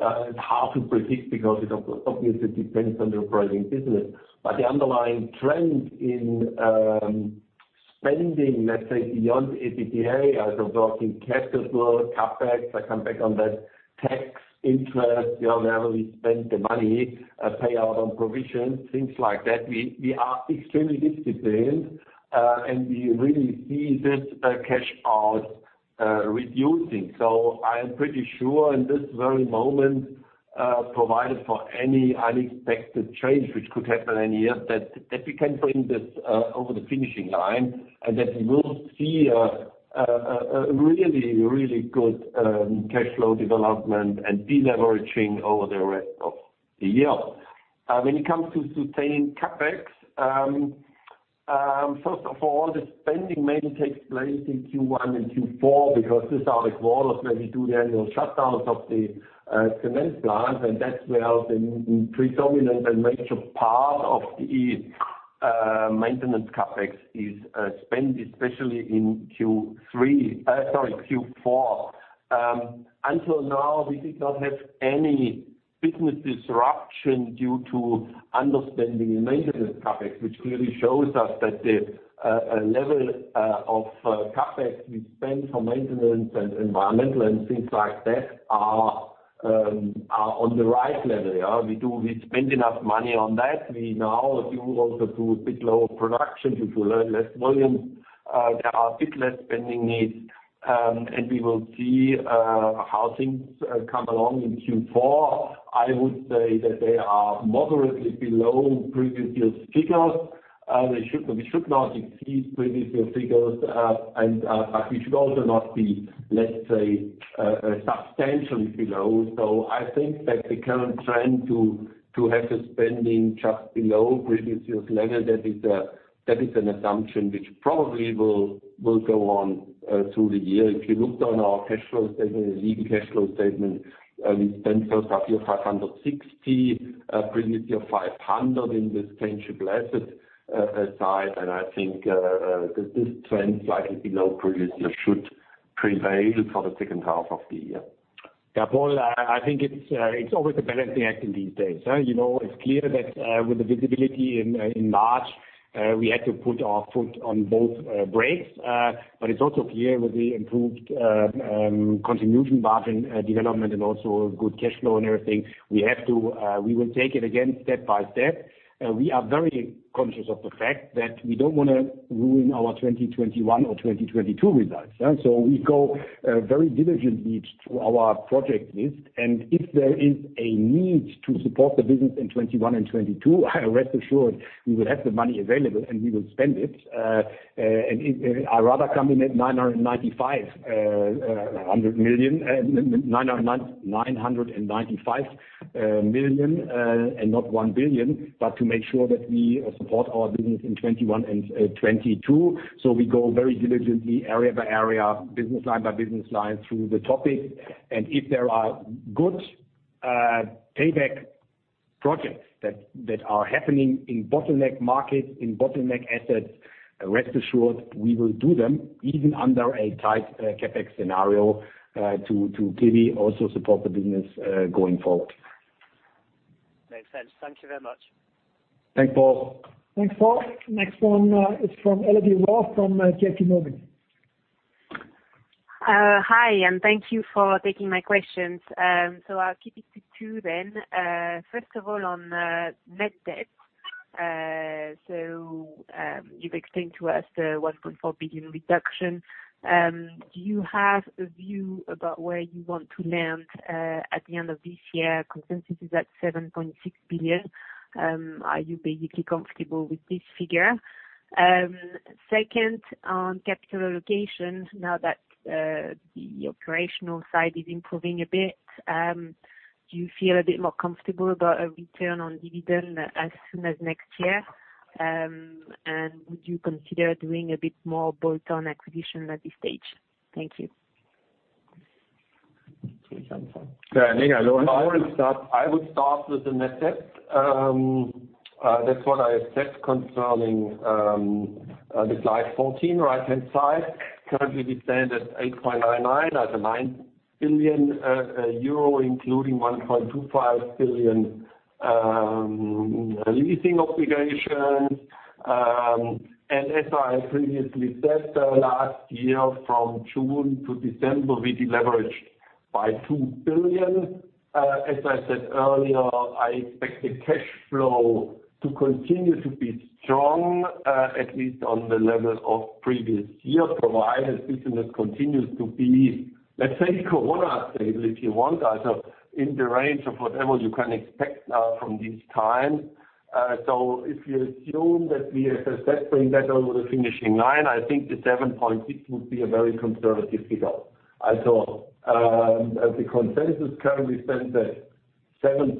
wouldn't, it's hard to predict because it obviously depends on the operating business. The underlying trend in spending, let's say, beyond EBITDA, as [involving capital] CapEx, I come back on that, tax, interest, you know, wherever we spend the money, payout on provision, things like that. We are extremely disciplined, and we really see this cash out reducing. I am pretty sure in this very moment, provided for any unexpected change which could happen any year, that we can bring this over the finishing line, and that we will see a really, really good cash flow development and de-leveraging over the rest of the year. When it comes to sustaining CapEx, first of all, the spending mainly takes place in Q1 and Q4 because these are the quarters where we do the annual shutdowns of the cement plants, and that's where the predominant and major part of the maintenance CapEx is spent, especially in Q4. Until now, we did not have any business disruption due to under spending in maintenance CapEx, which clearly shows us that the level of CapEx we spend for maintenance and environmental and things like that are on the right level, yeah. We spend enough money on that. We now, if you also do a bit lower production, if you run less volume, there are a bit less spending needs, and we will see how things come along in Q4. I would say that they are moderately below previous year's figures. We should not exceed previous year figures. We should also not be, let's say, substantially below. I think that the current trend to have the spending just below previous year's level, that is an assumption which probably will go on through the year. If you looked on our cash flow statement, leading cash flow statement, we spent so far 560 million, previous year 500 million in this tangible asset side. I think this trend, slightly below previous year should prevail for the second half of the year. Yeah, Paul, I think it's always a balancing act these days. You know, it's clear that with the visibility in March, we had to put our foot on both brakes. It's also clear with the improved contribution margin development and also good cash flow and everything, we have to, we will take it again step by step. We are very conscious of the fact that we don't wanna ruin our 2021 or 2022 results. We go very diligently through our project list. If there is a need to support the business in 2021 and 2022, rest assured we will have the money available, and we will spend it. I'd rather come in at 995 million and not 1 billion but to make sure that we support our business in 2021 and 2022. We go very diligently area by area, business line by business line through the topic. If there are good payback projects that are happening in bottleneck markets, in bottleneck assets, rest assured we will do them even under a tight CapEx scenario to clearly also support the business going forward. Makes sense. Thank you very much. Thanks, Paul. Thanks, Paul. Next one is from Elodie Rall from JPMorgan. Hi, thank you for taking my questions. I'll keep it to two. First of all, on net debt. You've explained to us the 1.4 billion reduction. Do you have a view about where you want to land at the end of this year? Consensus is at 7.6 billion. Are you basically comfortable with this figure? Second, on capital allocation, now that the operational side is improving a bit, do you feel a bit more comfortable about a return on dividend as soon as next year? Would you consider doing a bit more bolt-on acquisition at this stage? Thank you. Lorenz, you want to start? I would start with the net debt. That's what I said concerning the slide 14 right-hand side. Currently we stand at 8.99 billion, at a 9 billion euro, including 1.25 billion leasing obligations. As I previously said, last year, from June to December, we deleveraged by 2 billion. As I said earlier, I expect the cash flow to continue to be strong, at least on the levels of previous year, provided business continues to be, let's say, corona stable, if you want. In the range of whatever you can expect now from this time. If you assume that we are successfully heading over the finishing line, I think the 7.6 billion would be a very conservative figure. The consensus currently stands at 7.2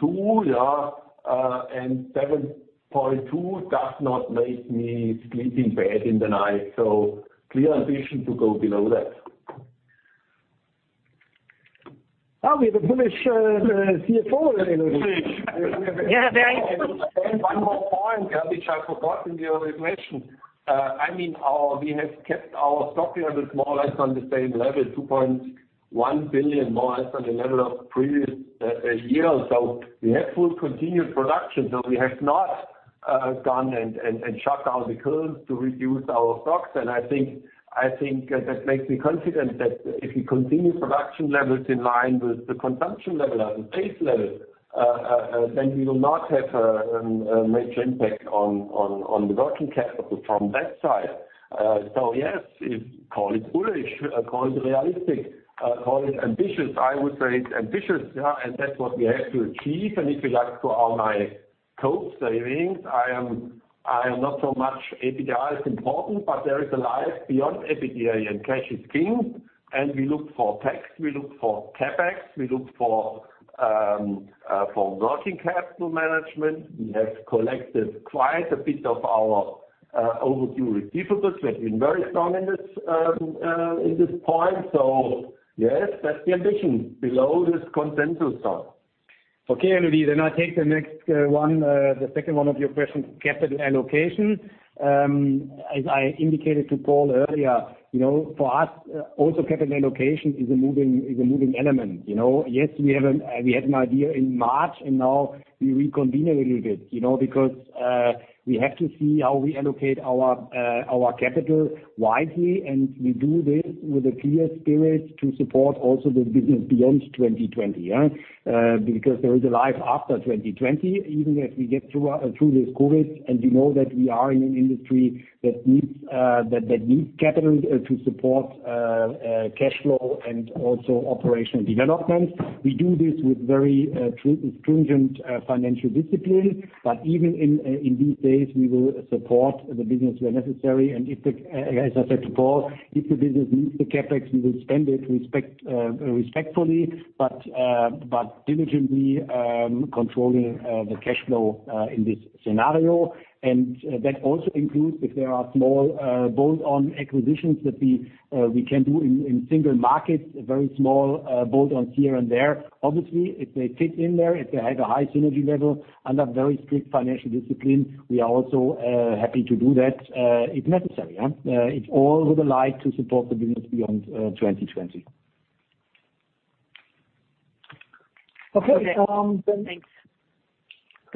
billion. 7.2 billion does not make me sleeping bad in the night. Clear ambition to go below that. Now we have a bullish CFO. Yeah, very- One more point, which I forgot in the other question. I mean, we have kept our stock levels more or less on the same level, 2.1 billion, more or less on the level of previous year. We have full continued production. We have not gone and shut down the kilns to reduce our stocks. I think that makes me confident that if we continue production levels in line with the consumption level and pace level, then we will not have a major impact on the working capital from that side. Yes, call it bullish, call it realistic, call it ambitious. I would say it's ambitious, and that's what we have to achieve. If you like, to all my cost savings, I am not so much. EBITDA is important, but there is a life beyond EBITDA, and cash is king. We look for tax, we look for CapEx, we look for working capital management. We have collected quite a bit of our overdue receivables. We have been very strong in this point. Yes, that's the ambition below this consensus stuff. Okay, Elodie, I take the next one, the second one of your questions, capital allocation. As I indicated to Paul earlier, you know, for us, also capital allocation is a moving element, you know? Yes, we had an idea in March. Now we reconvene a little bit, you know, because we have to see how we allocate our capital wisely, and we do this with a clear spirit to support also the business beyond 2020, yeah. There is a life after 2020, even if we get through this COVID. We know that we are in an industry that needs capital to support cash flow and also operational development. We do this with very stringent financial discipline. Even in these days, we will support the business where necessary. If, as I said to Paul, if the business needs the CapEx, we will spend it respectfully, but diligently, controlling the cash flow in this scenario. That also includes if there are small bolt-on acquisitions that we can do in single markets, very small bolt-ons here and there. Obviously, if they fit in there, if they have a high synergy level under very strict financial discipline, we are also happy to do that if necessary. It's all with the light to support the business beyond 2020. Okay. Thanks.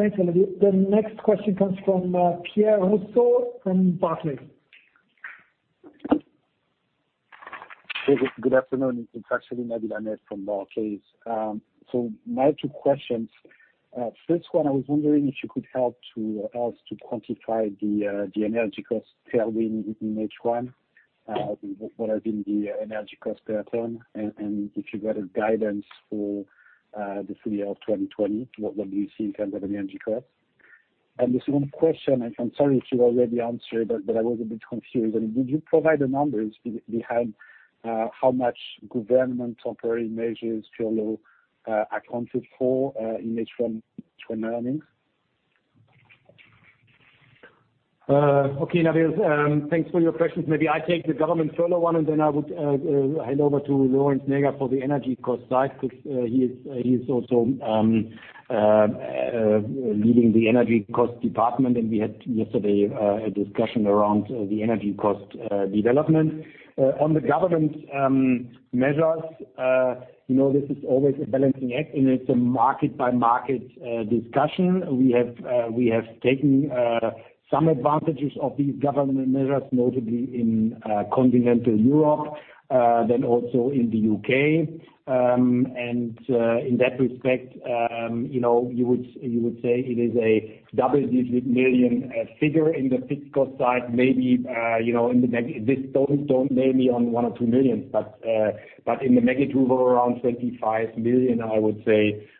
Thanks, Elodie. The next question comes from from Barclays. Good afternoon. It's actually Nabil Ahmed from Barclays. My two questions. First one, I was wondering if you could help to us to quantify the energy cost tailwind in H1, what has been the energy cost per ton, and if you got a guidance for the full year of 2020, what do you see in terms of energy cost? The second question, I'm sorry if you already answered, but I was a bit confused. I mean, did you provide the numbers behind how much government temporary measures, furlough, accounted for in H1 earnings? Okay, Nabil. Thanks for your questions. Maybe I take the government furlough one, then I would hand over to Lorenz Näger for the energy cost side, because he is also leading the energy cost department, and we had yesterday a discussion around the energy cost development. On the government measures, you know, this is always a balancing act, and it's a market by market discussion. We have taken some advantages of these government measures, notably in continental Europe, then also in the U.K.. In that respect, you know, you would say it is a EUR double-digit million figure in the fixed cost side. Maybe, you know, this don't nail me on 1 million or 2 million, but in the magnitude of around 25 million, I would say, euros,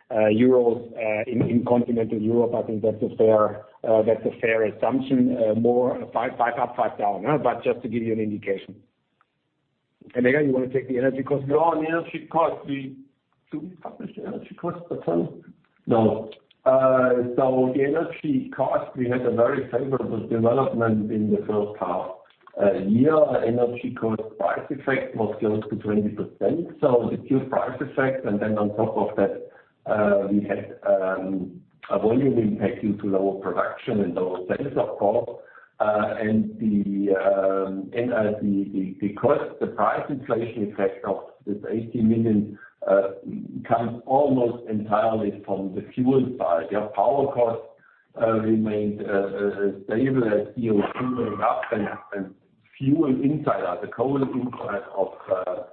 in continental Europe. I think that's a fair assumption. More 5 million up, 5 million down. Just to give you an indication. Näger, you wanna take the energy cost? No, on the energy cost, Do we publish the energy cost as well? No. The energy cost, we had a very favorable development in the first half year. Energy cost price effect was close to 20%, so the pure price effect. On top of that, we had a volume impact due to lower production and lower sales, of course. The cost, the price inflation effect of this 80 million comes almost entirely from the fuel side. Our power costs remained stable as fuel went up, and fuel inside at the coal side of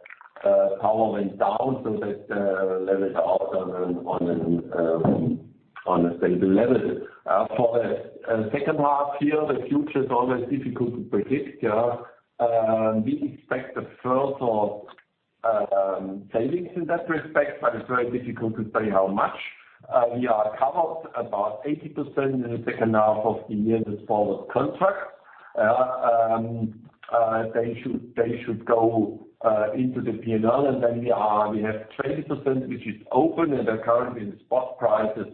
power went down. That levels out on a on a stable level. For the second half year, the future is always difficult to predict. We expect the first of savings in that respect, but it's very difficult to say how much. We are covered about 80% in the second half of the year, this forward contract. They should go into the P&L. We have 20% which is open, and currently the spot prices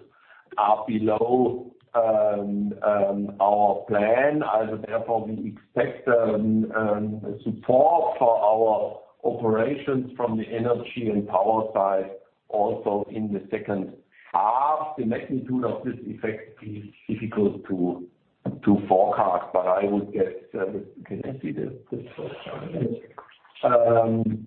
are below our plan. Therefore, we expect support for our operations from the energy and power side also in the second half. The magnitude of this effect is difficult to forecast, but I would guess, can I see the first slide?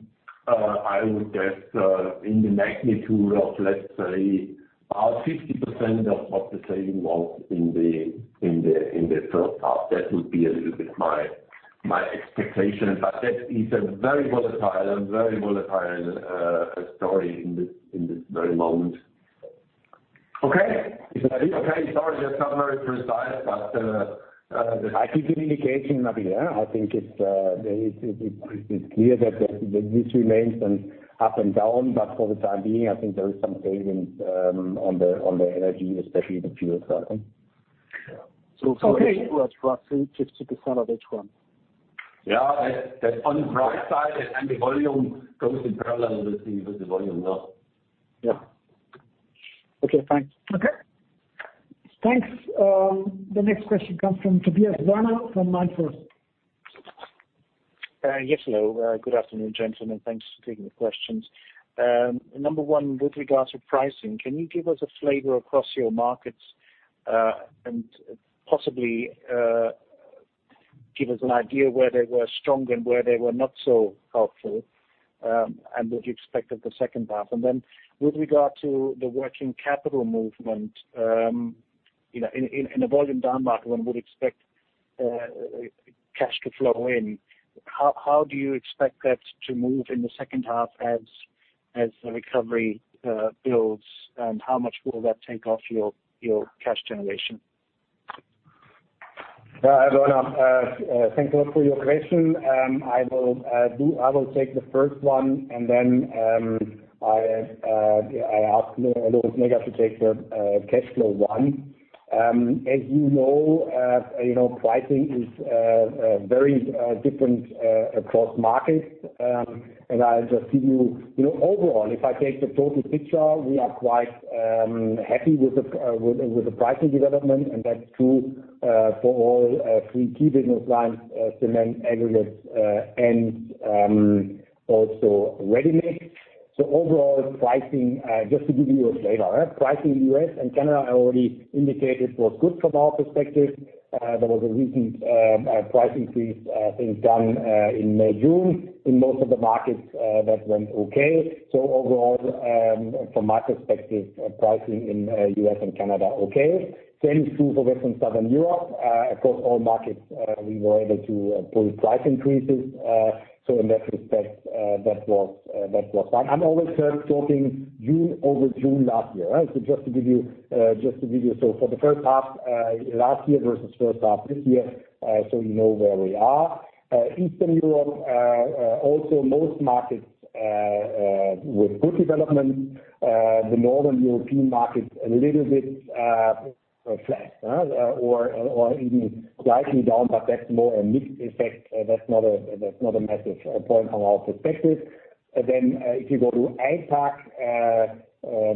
I would guess in the magnitude of, let's say about 50% of what the saving was in the first half. That would be a little bit my expectation, but that is a very volatile, a very volatile story in this, in this very moment. Okay. Is that it? Okay. Sorry, that's not very precise, but. I think it's an indication, Nabil. I think it's clear that this remains an up and down, but for the time being, I think there is some savings, on the energy, especially the fuel side. Roughly 50% of each one. Yeah. That's on the bright side. The volume goes in parallel with the, with the volume now. Yeah. Okay, thanks. Okay. Thanks. The next question comes from Tobias Woerner from MainFirst. Yes. Hello. Good afternoon, gentlemen. Thanks for taking the questions. Number one, with regards to pricing, can you give us a flavor across your markets, and possibly, give us an idea where they were strong and where they were not so helpful, and what you expect of the second half? With regard to the working capital movement, you know, in a volume down market, one would expect cash to flow in. How do you expect that to move in the second half as the recovery builds, and how much will that take off your cash generation? Tobias Woerner, thank you for your question. I will take the first one, and then I'll ask Lorenz Näger to take the cash flow one. As you know, you know, pricing is very different across markets. And I'll just give you know, overall, if I take the total picture, we are quite happy with the with the pricing development, and that's true for all three key business lines, cement, aggregates, and also ready-mix. Overall pricing, just to give you a flavor. Pricing in the U.S. and Canada, I already indicated was good from our perspective. There was a recent price increase, I think done in June in most of the markets, that went okay. Overall, from my perspective, pricing in U.S. and Canada, okay. Same is true for Western and Southern Europe. Across all markets, we were able to pull price increases. In that respect, that was done. I'm always talking June over June last year, right? Just to give you. For the first half, last year versus first half this year, so you know where we are. Eastern Europe, also most markets. With good development. The Northern European market a little bit flat, or even slightly down, that's more a mixed effect. That's not a massive point from our perspective. If you go to APAC,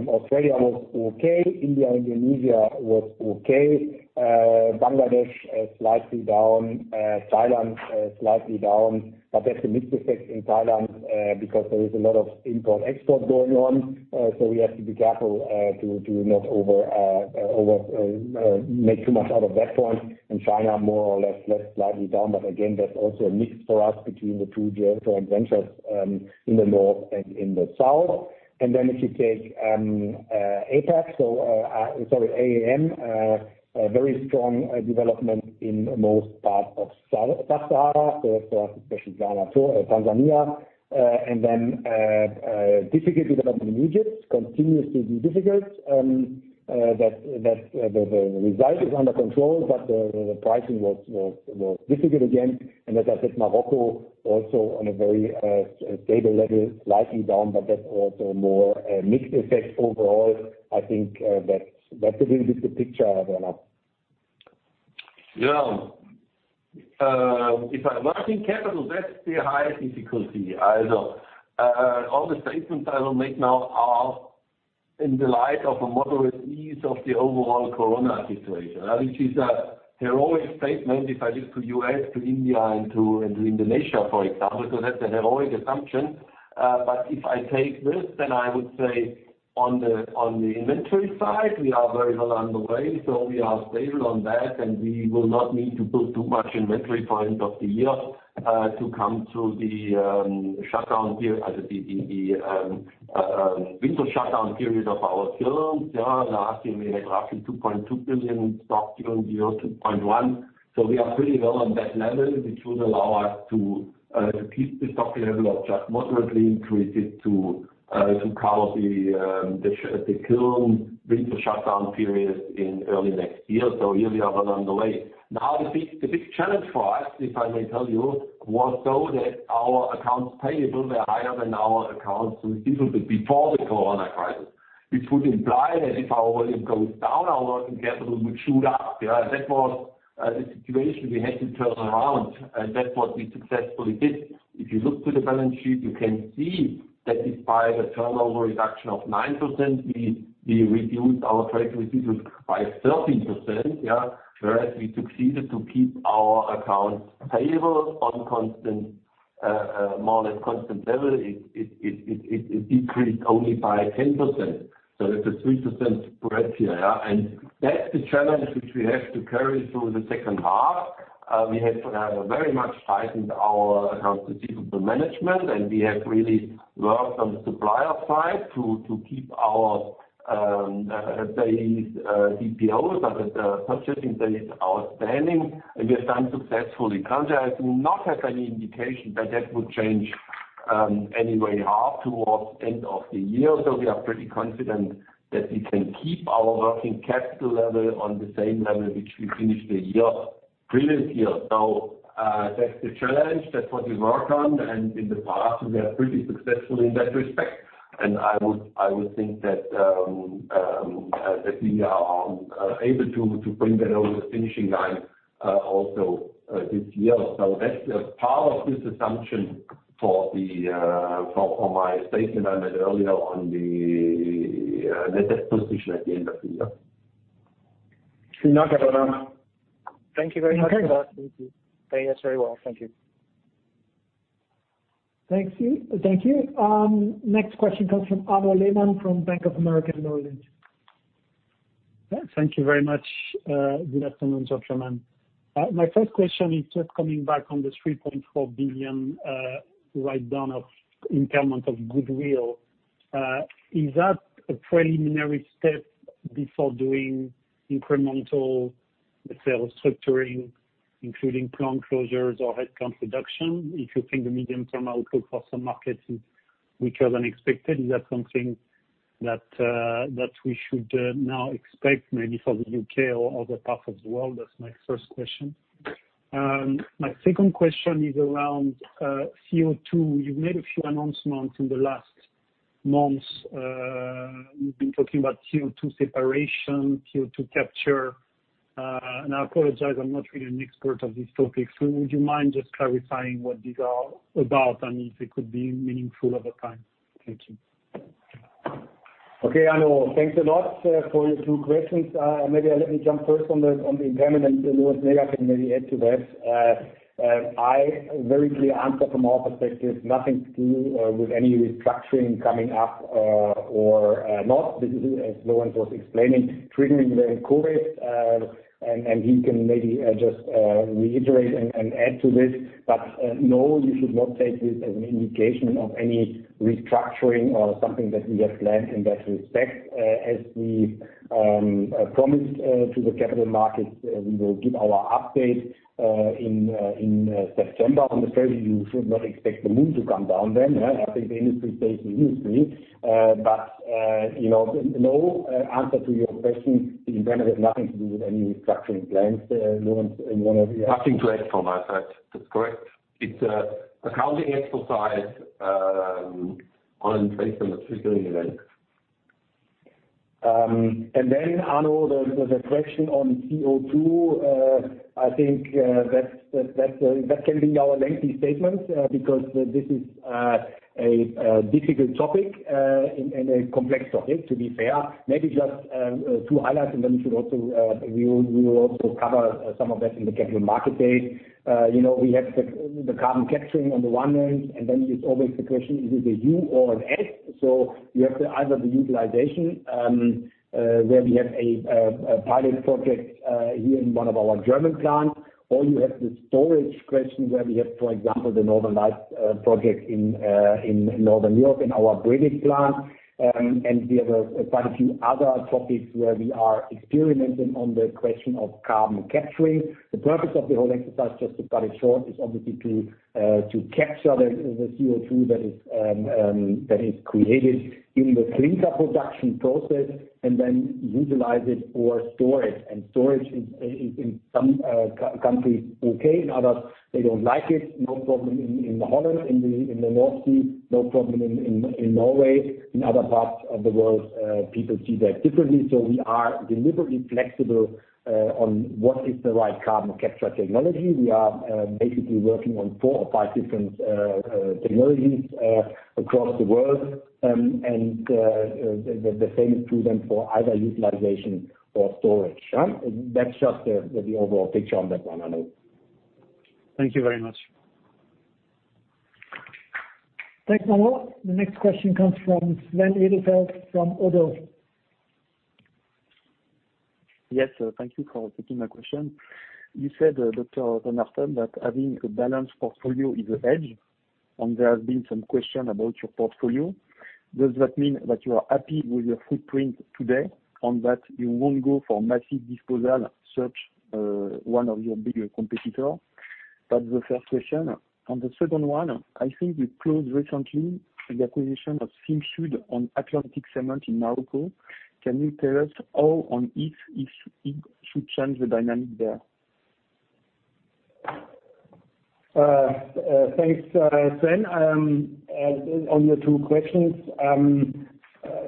Australia was okay. India, Indonesia was okay. Bangladesh slightly down. Thailand slightly down. That's a mixed effect in Thailand because there is a lot of import-export going on. We have to be careful not to over make too much out of that point. China, more or less slightly down. Again, that's also a mix for us between the two joint ventures in the north and in the south. If you take AEM, a very strong development in most parts of Sub-Sahara, so for especially Ghana, Tanzania. Then difficult development in Egypt, continues to be difficult. That the result is under control, but the pricing was difficult again. As I said, Morocco also on a very stable level, slightly down, but that's also more a mixed effect overall. I think that's a little bit the picture, Woerner. Yeah. If I'm working capital, that's the highest difficulty. I know. All the statements I will make now are in the light of a moderate ease of the overall corona situation, which is a heroic statement, if I look to the U.S., to India, and to Indonesia, for example, because that's a heroic assumption. If I take this, then I would say on the inventory side, we are very well on the way. We are stable on that, and we will not need to build too much inventory for end of the year to come to the shutdown period, the winter shutdown period of our kilns. Yeah, last year we had roughly 2.2 billion stock during the year, 2.1. We are pretty well on that level, which would allow us to keep the stock level or just moderately increase it to cover the kiln winter shutdown period in early next year. The big challenge for us, if I may tell you, was so that our accounts payable were higher than our accounts receivable before the corona crisis, which would imply that if our volume goes down, our working capital would shoot up. That was the situation we had to turn around, and that's what we successfully did. If you look to the balance sheet, you can see that despite a turnover reduction of 9%, we reduced our trade receivables by 13%. Whereas we succeeded to keep our accounts payable on constant, more or less constant level. It decreased only by 10%. It's a 3% spread here, yeah. That's the challenge which we have to carry through the second half. We have to have a very much tightened our accounts receivable management, and we have really worked on the supplier side to keep our days DPO, like the purchasing days outstanding. We have done successfully. Currently, I do not have any indication that that would change any way half towards end of the year. We are pretty confident that we can keep our working capital level on the same level which we finished the year, previous year. That's the challenge. That's what we work on. In the past, we are pretty successful in that respect. I would think that we are able to bring that over the finishing line, also, this year. That's part of this assumption for the net debt position at the end of the year. Thank you, Woerner. Thank you very much. Okay. Thank you. [Paying us very well]. Thank you. Thank you. Thank you. Next question comes from Arnaud Lehmann from Bank of America Merrill Lynch. Thank you very much. Good afternoon, gentlemen. My first question is just coming back on the 3.4 billion write down of impairment of goodwill. Is that a preliminary step before doing incremental, let's say, restructuring, including plant closures or headcount reduction? If you think the medium-term outlook for some markets is weaker than expected, is that something that we should now expect maybe for the U.K. or other parts of the world? That's my first question. My second question is around CO₂. You've made a few announcements in the last months. You've been talking about CO₂ separation, CO₂ capture. I apologize, I'm not really an expert of these topics. Would you mind just clarifying what these are about and if it could be meaningful over time? Thank you. Okay, Arnaud. Thanks a lot for your two questions. Maybe let me jump first on the impairment, and Lorenz Näger can maybe add to that. I very clearly answer from our perspective, nothing to do with any restructuring coming up or not. This is, as Lorenz was explaining, triggering the CO2, and he can maybe just reiterate and add to this. No, you should not take this as an indication of any restructuring or something that we have planned in that respect. As we promised to the capital markets, we will give our update in September. On the 30, you should not expect the moon to come down then, yeah. I think the industry takes the news, please. You know, no answer to your question. The impairment has nothing to do with any restructuring plans. Lorenz, you wanna. Nothing to add from my side. That's correct. It's a accounting exercise, on based on the triggering event. And then, Arnaud, the question on CO2, I think that can be our lengthy statement, because this is a difficult topic and a complex topic, to be fair. Maybe just two highlights, and then we should also, we will also cover some of that in the capital market day. You know, we have the carbon capturing on the one end, and then it's always the question, is it a U or an S? You have to either the utilization, where we have a pilot project here in one of our German plants, or you have the storage question where we have, for example, the Northern Lights project in Northern Europe, in our British plant. We have quite a few other topics where we are experimenting on the question of carbon capturing. The purpose of the whole exercise, just to cut it short, is obviously to capture the CO2 that is created in the clinker production process and then utilize it for storage. Storage is in some countries okay. In others, they don't like it. No problem in Holland, in the North Sea. No problem in Norway. In other parts of the world, people see that differently. We are deliberately flexible on what is the right carbon capture technology. We are basically working on four or five different technologies across the world. The same is true then for either utilization or storage, huh? That's just the overall picture on that one, Arnaud. Thank you very much. Thanks, Arnaud. The next question comes from Sven Edelfelt from ODDO. Yes. Thank you for taking my question. You said, Dominik von Achten, that having a balanced portfolio is a edge, and there have been some question about your portfolio. Does that mean that you are happy with your footprint today, and that you won't go for massive disposal such one of your bigger competitor? That's the first question. On the second one, I think you closed recently the acquisition of CIMSUD and Atlantic Cement in Morocco. Can you tell us how and if it should change the dynamic there? Thanks, Sven. On your two questions,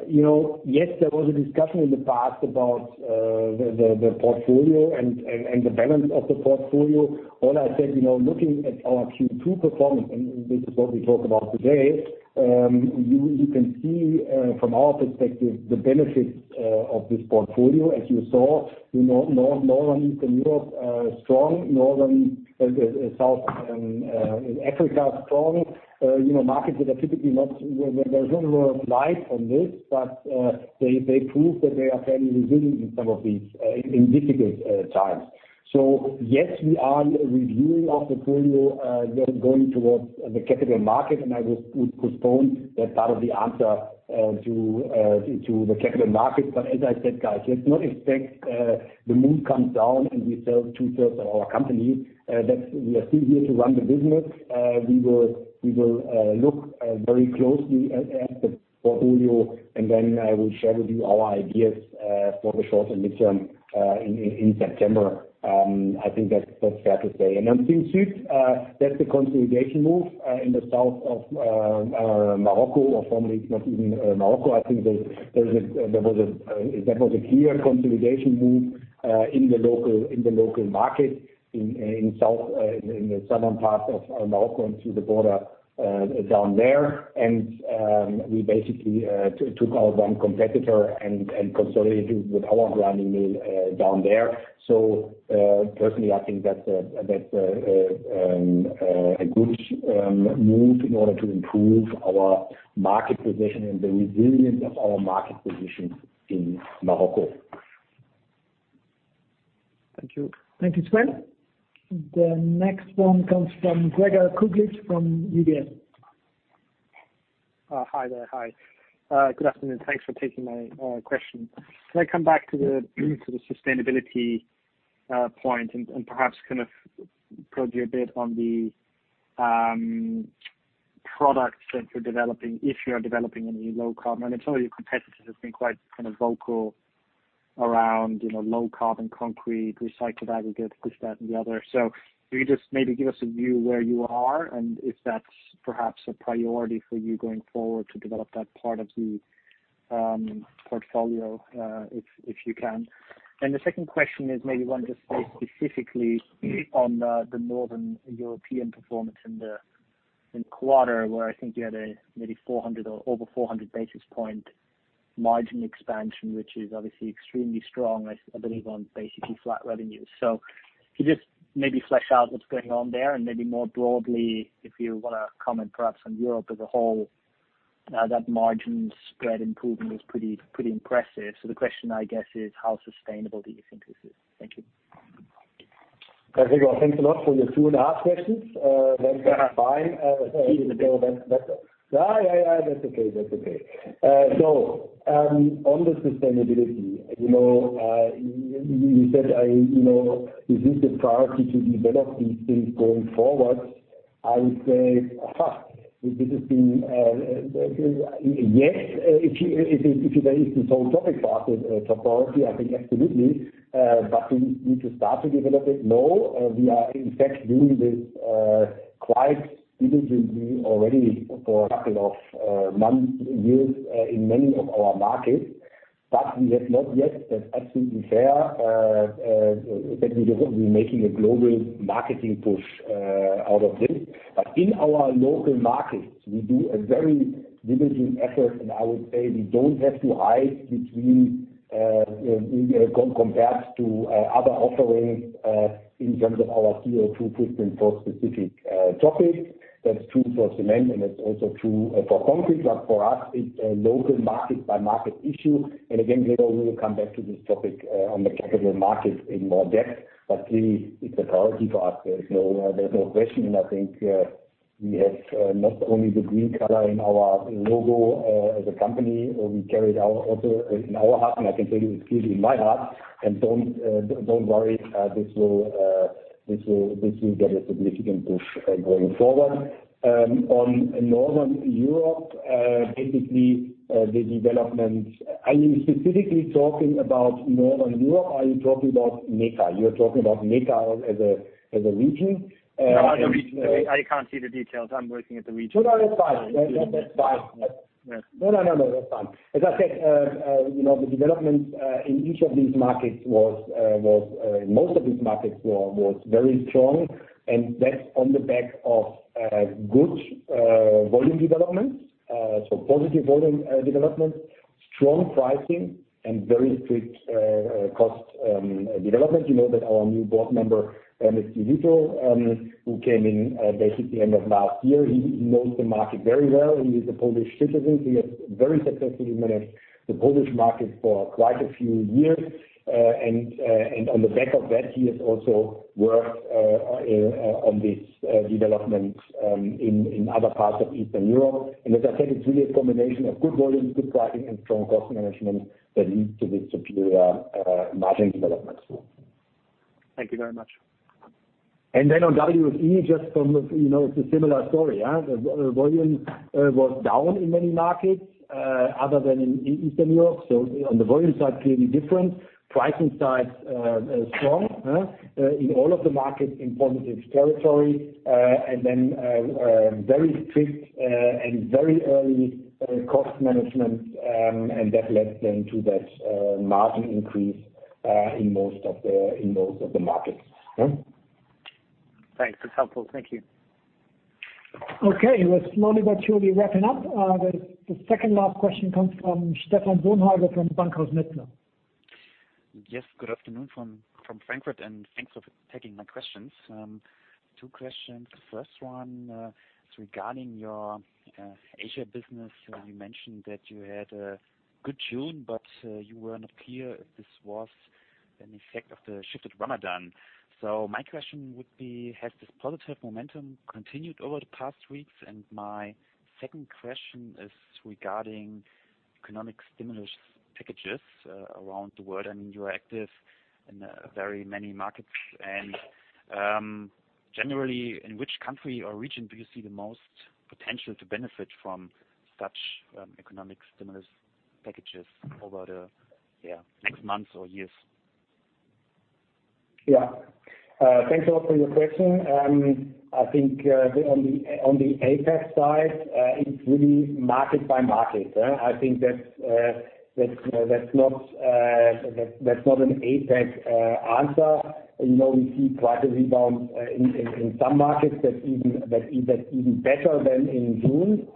you know, yes, there was a discussion in the past about the portfolio and the balance of the portfolio. All I said, you know, looking at our Q2 performance, and this is what we talk about today, you can see from our perspective the benefits of this portfolio. As you saw, you know, Northern and Eastern Europe, strong. North America, South Africa, strong. You know, markets that are typically not where there's a little light on this, but they prove that they are fairly resilient in some of these in difficult times. Yes, we are reviewing our portfolio, going towards the capital market, and I will postpone that part of the answer to the capital market. As I said, guys, let's not expect the moon comes down, and we sell two-thirds of our company. That's we are still here to run the business. We will look very closely at the portfolio, and then I will share with you our ideas for the short and midterm in September. I think that's fair to say. On CIMAT, that's a consolidation move in the south of Morocco, or formally it's not even Morocco. I think there's a, there was a, that was a clear consolidation move in the local market in South- In the southern part of Morocco and through the border down there. We basically took our one competitor and consolidated with our grinding mill down there. Personally, I think that's a good move in order to improve our market position and the resilience of our market position in Morocco. Thank you. Thank you, Sven. The next one comes from Gregor Kuglitsch from UBS. Hi there. Hi. Good afternoon. Thanks for taking my question. Can I come back to the sustainability point and perhaps kind of probe you a bit on the products that you're developing, if you are developing any low carbon? I know some of your competitors have been quite kind of vocal around, you know, low carbon concrete, recycled aggregate, this, that, and the other. Can you just maybe give us a view where you are and if that's perhaps a priority for you going forward to develop that part of the portfolio, if you can? The second question is maybe want to just say specifically on the Northern European performance in the quarter where I think you had a maybe 400 or over 400 basis point margin expansion, which is obviously extremely strong, I believe on basically flat revenues. If you just maybe flesh out what's going on there and maybe more broadly, if you wanna comment perhaps on Europe as a whole, that margin spread improvement was pretty impressive. The question, I guess, is how sustainable do you think this is? Thank you. Gregor, thanks a lot for your two and a half questions. That's fine. Excuse me. Yeah, yeah. That's okay. That's okay. On the sustainability, you know, you said I, you know, is this a priority to develop these things going forward? I would say first this has been, yes, if you, if you, if you raise this whole topic for us with, top priority, I think absolutely. We need to start to develop it. No, we are in fact doing this, quite diligently already for a couple of, months, years, in many of our markets. We have not yet, that's absolutely fair, that we're making a global marketing push, out of this. In our local markets, we do a very diligent effort, and I would say we don't have to hide compared to other offerings in terms of our CO₂ footprint for specific topics. That's true for cement, it's also true for concrete. For us, it's a local market by market issue. Again, later we will come back to this topic on the capital markets in more depth. Clearly it's a priority for us. There's no question. I think we have not only the green color in our logo as a company, we carry it also in our heart, and I can tell you it's clearly in my heart. Don't worry, this will get a significant push going forward. Are you specifically talking about Northern Europe? Are you talking about NEECA? You're talking about NEECA as a, as a region? No, the region. I can't see the details. I'm looking at the region. No, no, that's fine. That's fine. Yeah. Yeah. No, no, no, that's fine. As I said, you know, the development in each of these markets was, in most of these markets was very strong, and that's on the back of good volume development, so positive volume development, strong pricing, and very strict cost development. You know that our new board member, Ernest Jelito, who came in basically end of last year, he knows the market very well. He is a Polish citizen. He has very successfully managed the Polish market for quite a few years. On the back of that, he has also worked on this development in other parts of Eastern Europe. As I said, it's really a combination of good volume, good pricing, and strong cost management that leads to this superior margin development story. Thank you very much. On WE just from the, you know, it's a similar story. Yeah. The volume was down in many markets, other than in Eastern Europe. On the volume side, clearly different. Pricing side, strong, huh? In all of the markets in positive territory. Very strict and very early cost management, and that led then to that margin increase in most of the markets. Yeah. Thanks for the sample. Thank you. Okay. We're slowly but surely wrapping up. The second last question comes from Stephan Bonhage from Bankhaus Metzler. Yes. Good afternoon from Frankfurt, thanks for taking my questions. Two questions. First one is regarding your Asia business. You mentioned that you had a good June, you were not clear if this was an effect of the shifted Ramadan. My question would be, has this positive momentum continued over the past weeks? My second question is regarding economic stimulus packages around the world. I mean, you are active in very many markets, generally in which country or region do you see the most potential to benefit from such economic stimulus packages over the next months or years? Thanks a lot for your question. I think on the APAC side, it's really market by market. I think that's not an APAC answer. You know, we see quite a rebound in some markets that is even better than in June.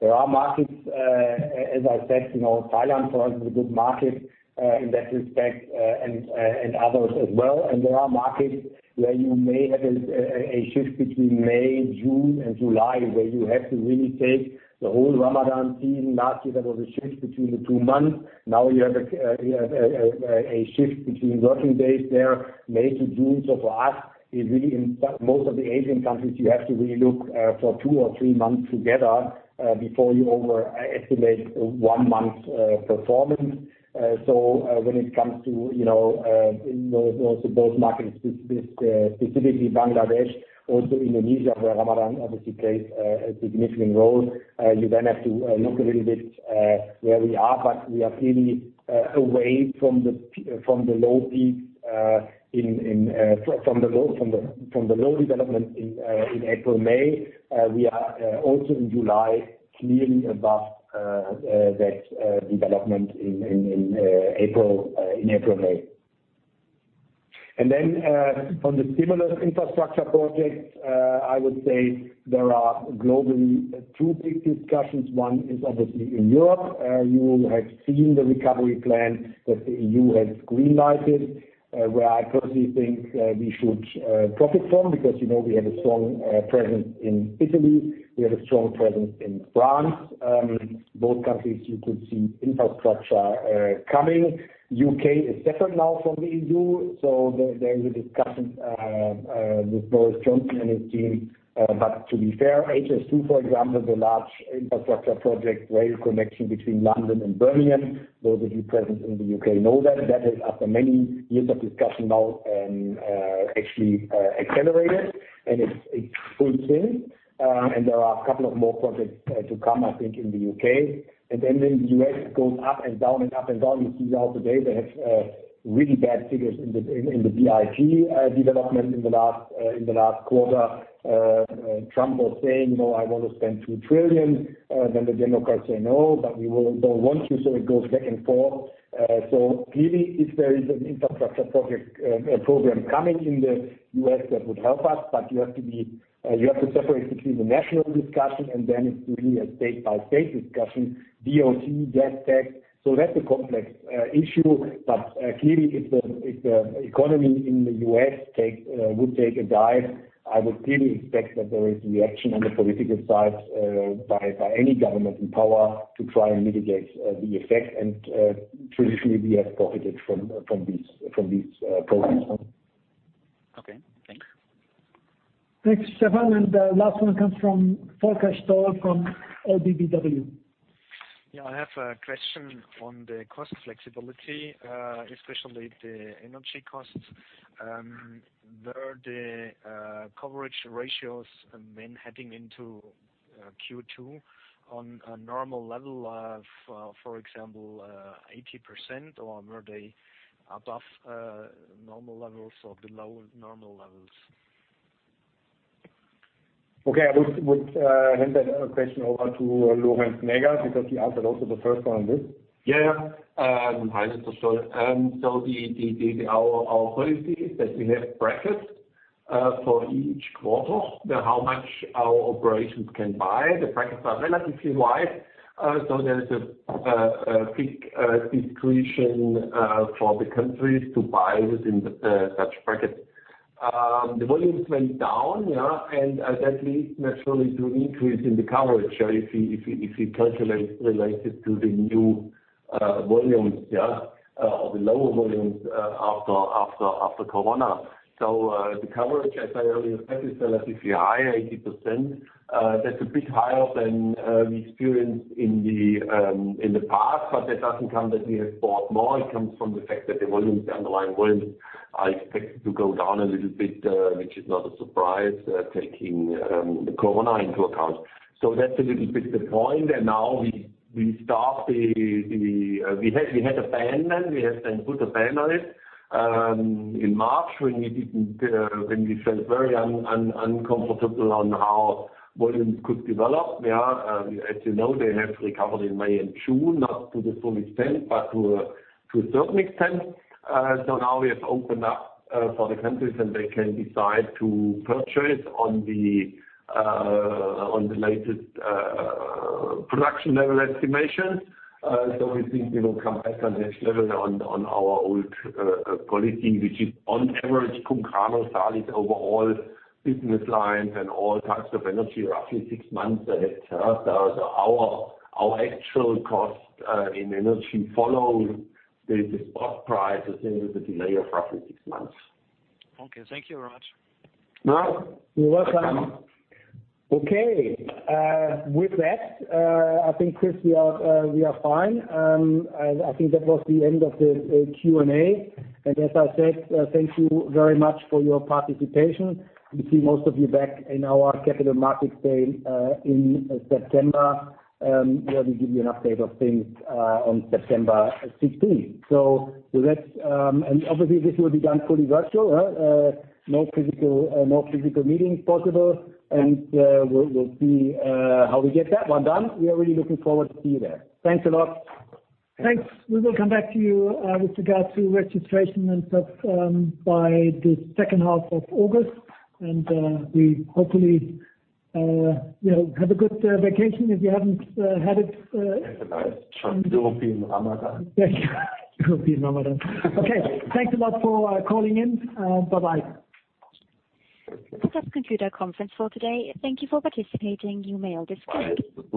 There are markets, as I said, you know, Thailand for us is a good market in that respect, and others as well. There are markets where you may have a shift between May, June and July, where you have to really take the whole Ramadan theme. Last year there was a shift between the two months. Now you have a shift between working days there, May to June. For us, it really in most of the Asian countries, you have to really look for two or three months together before you over estimate one month's performance. When it comes to, you know, those markets, specifically Bangladesh, also Indonesia, where Ramadan obviously plays a significant role, you then have to look a little bit where we are, but we are clearly away from the low peak in from the low development in April, May. We are also in July clearly above that development in April, May. On the stimulus infrastructure projects, I would say there are globally two big discussions. One is obviously in Europe. You will have seen the recovery plan that the EU has green-lighted, where I personally think we should profit from because, you know, we have a strong presence in Italy, we have a strong presence in France. Both countries you could see infrastructure coming. U.K. is separate now from the EU, so there is a discussion with Boris Johnson and his team. To be fair, HS2, for example, the large infrastructure project rail connection between London and Birmingham, those of you present in the U.K. know that. That is after many years of discussion now, actually accelerated and it's full steam. There are a couple of more projects to come I think in the U.K. The U.S. goes up and down and up and down. You see now today they have really bad figures in the GDP development in the last quarter. Trump was saying, "No, I wanna spend 2 trillion." The Democrats say, "No, but we don't want to." It goes back and forth. Clearly if there is an infrastructure project program coming in the U.S., that would help us, but you have to be you have to separate between the national discussion and then it's really a state-by-state discussion. DOT, gas tax. That's a complex issue. Clearly if the economy in the U.S. would take a dive, I would clearly expect that there is reaction on the political side by any government in power to try and mitigate the effect. Traditionally we have profited from these programs. Okay, thanks. Thanks, Stephan. The last one comes from Volker Stoll from LBBW. I have a question on the cost flexibility, especially the energy costs. Were the coverage ratios when heading into Q2 on a normal level of, for example, 80% or were they above normal levels or below normal levels? Okay. I would hand that question over to Lorenz Näger because he answered also the first one on this. Hi, Mr. Stoll. Our policy is that we have brackets for each quarter, how much our operations can buy. The brackets are relatively wide, there is a big discretion for the countries to buy within the such bracket. The volumes went down, that leads naturally to increase in the coverage if you calculate related to the new volumes or the lower volumes after Corona. The coverage, as I earlier said, is relatively high, 80%. That's a bit higher than we experienced in the past, that doesn't come that we have bought more. It comes from the fact that the volumes, the underlying volumes are expected to go down a little bit, which is not a surprise, taking the Corona into account. That's a little bit the point. Now we have then put a ban on it in March when we didn't, when we felt very uncomfortable on how volumes could develop. Yeah. As you know, they have recovered in May and June, not to the full extent, but to a certain extent. Now we have opened up for the countries and they can decide to purchase on the latest production level estimation. We think we will come back on this level on our old policy, which is on average cum grano salis over all business lines and all types of energy, roughly six months ahead. Our actual cost in energy follow the spot prices in with a delay of roughly six months. Okay. Thank you very much. No. You're welcome. Okay. With that, I think, Chris, we are fine. I think that was the end of the Q&A. As I said, thank you very much for your participation. We see most of you back in our capital markets day in September, where we give you an update of things on September 16th. With that, and obviously this will be done fully virtual, no physical meetings possible and we'll see how we get that 1 done. We are really looking forward to see you there. Thanks a lot. Thanks. We will come back to you with regard to registration and such by the second half of August. We hopefully, you know, have a good vacation if you haven't had it. Have a nice time. You will be in Ramadan. You will be in Ramadan. Okay. Thanks a lot for calling in. Bye-bye. This does conclude our conference for today. Thank you for participating. You may all disconnect.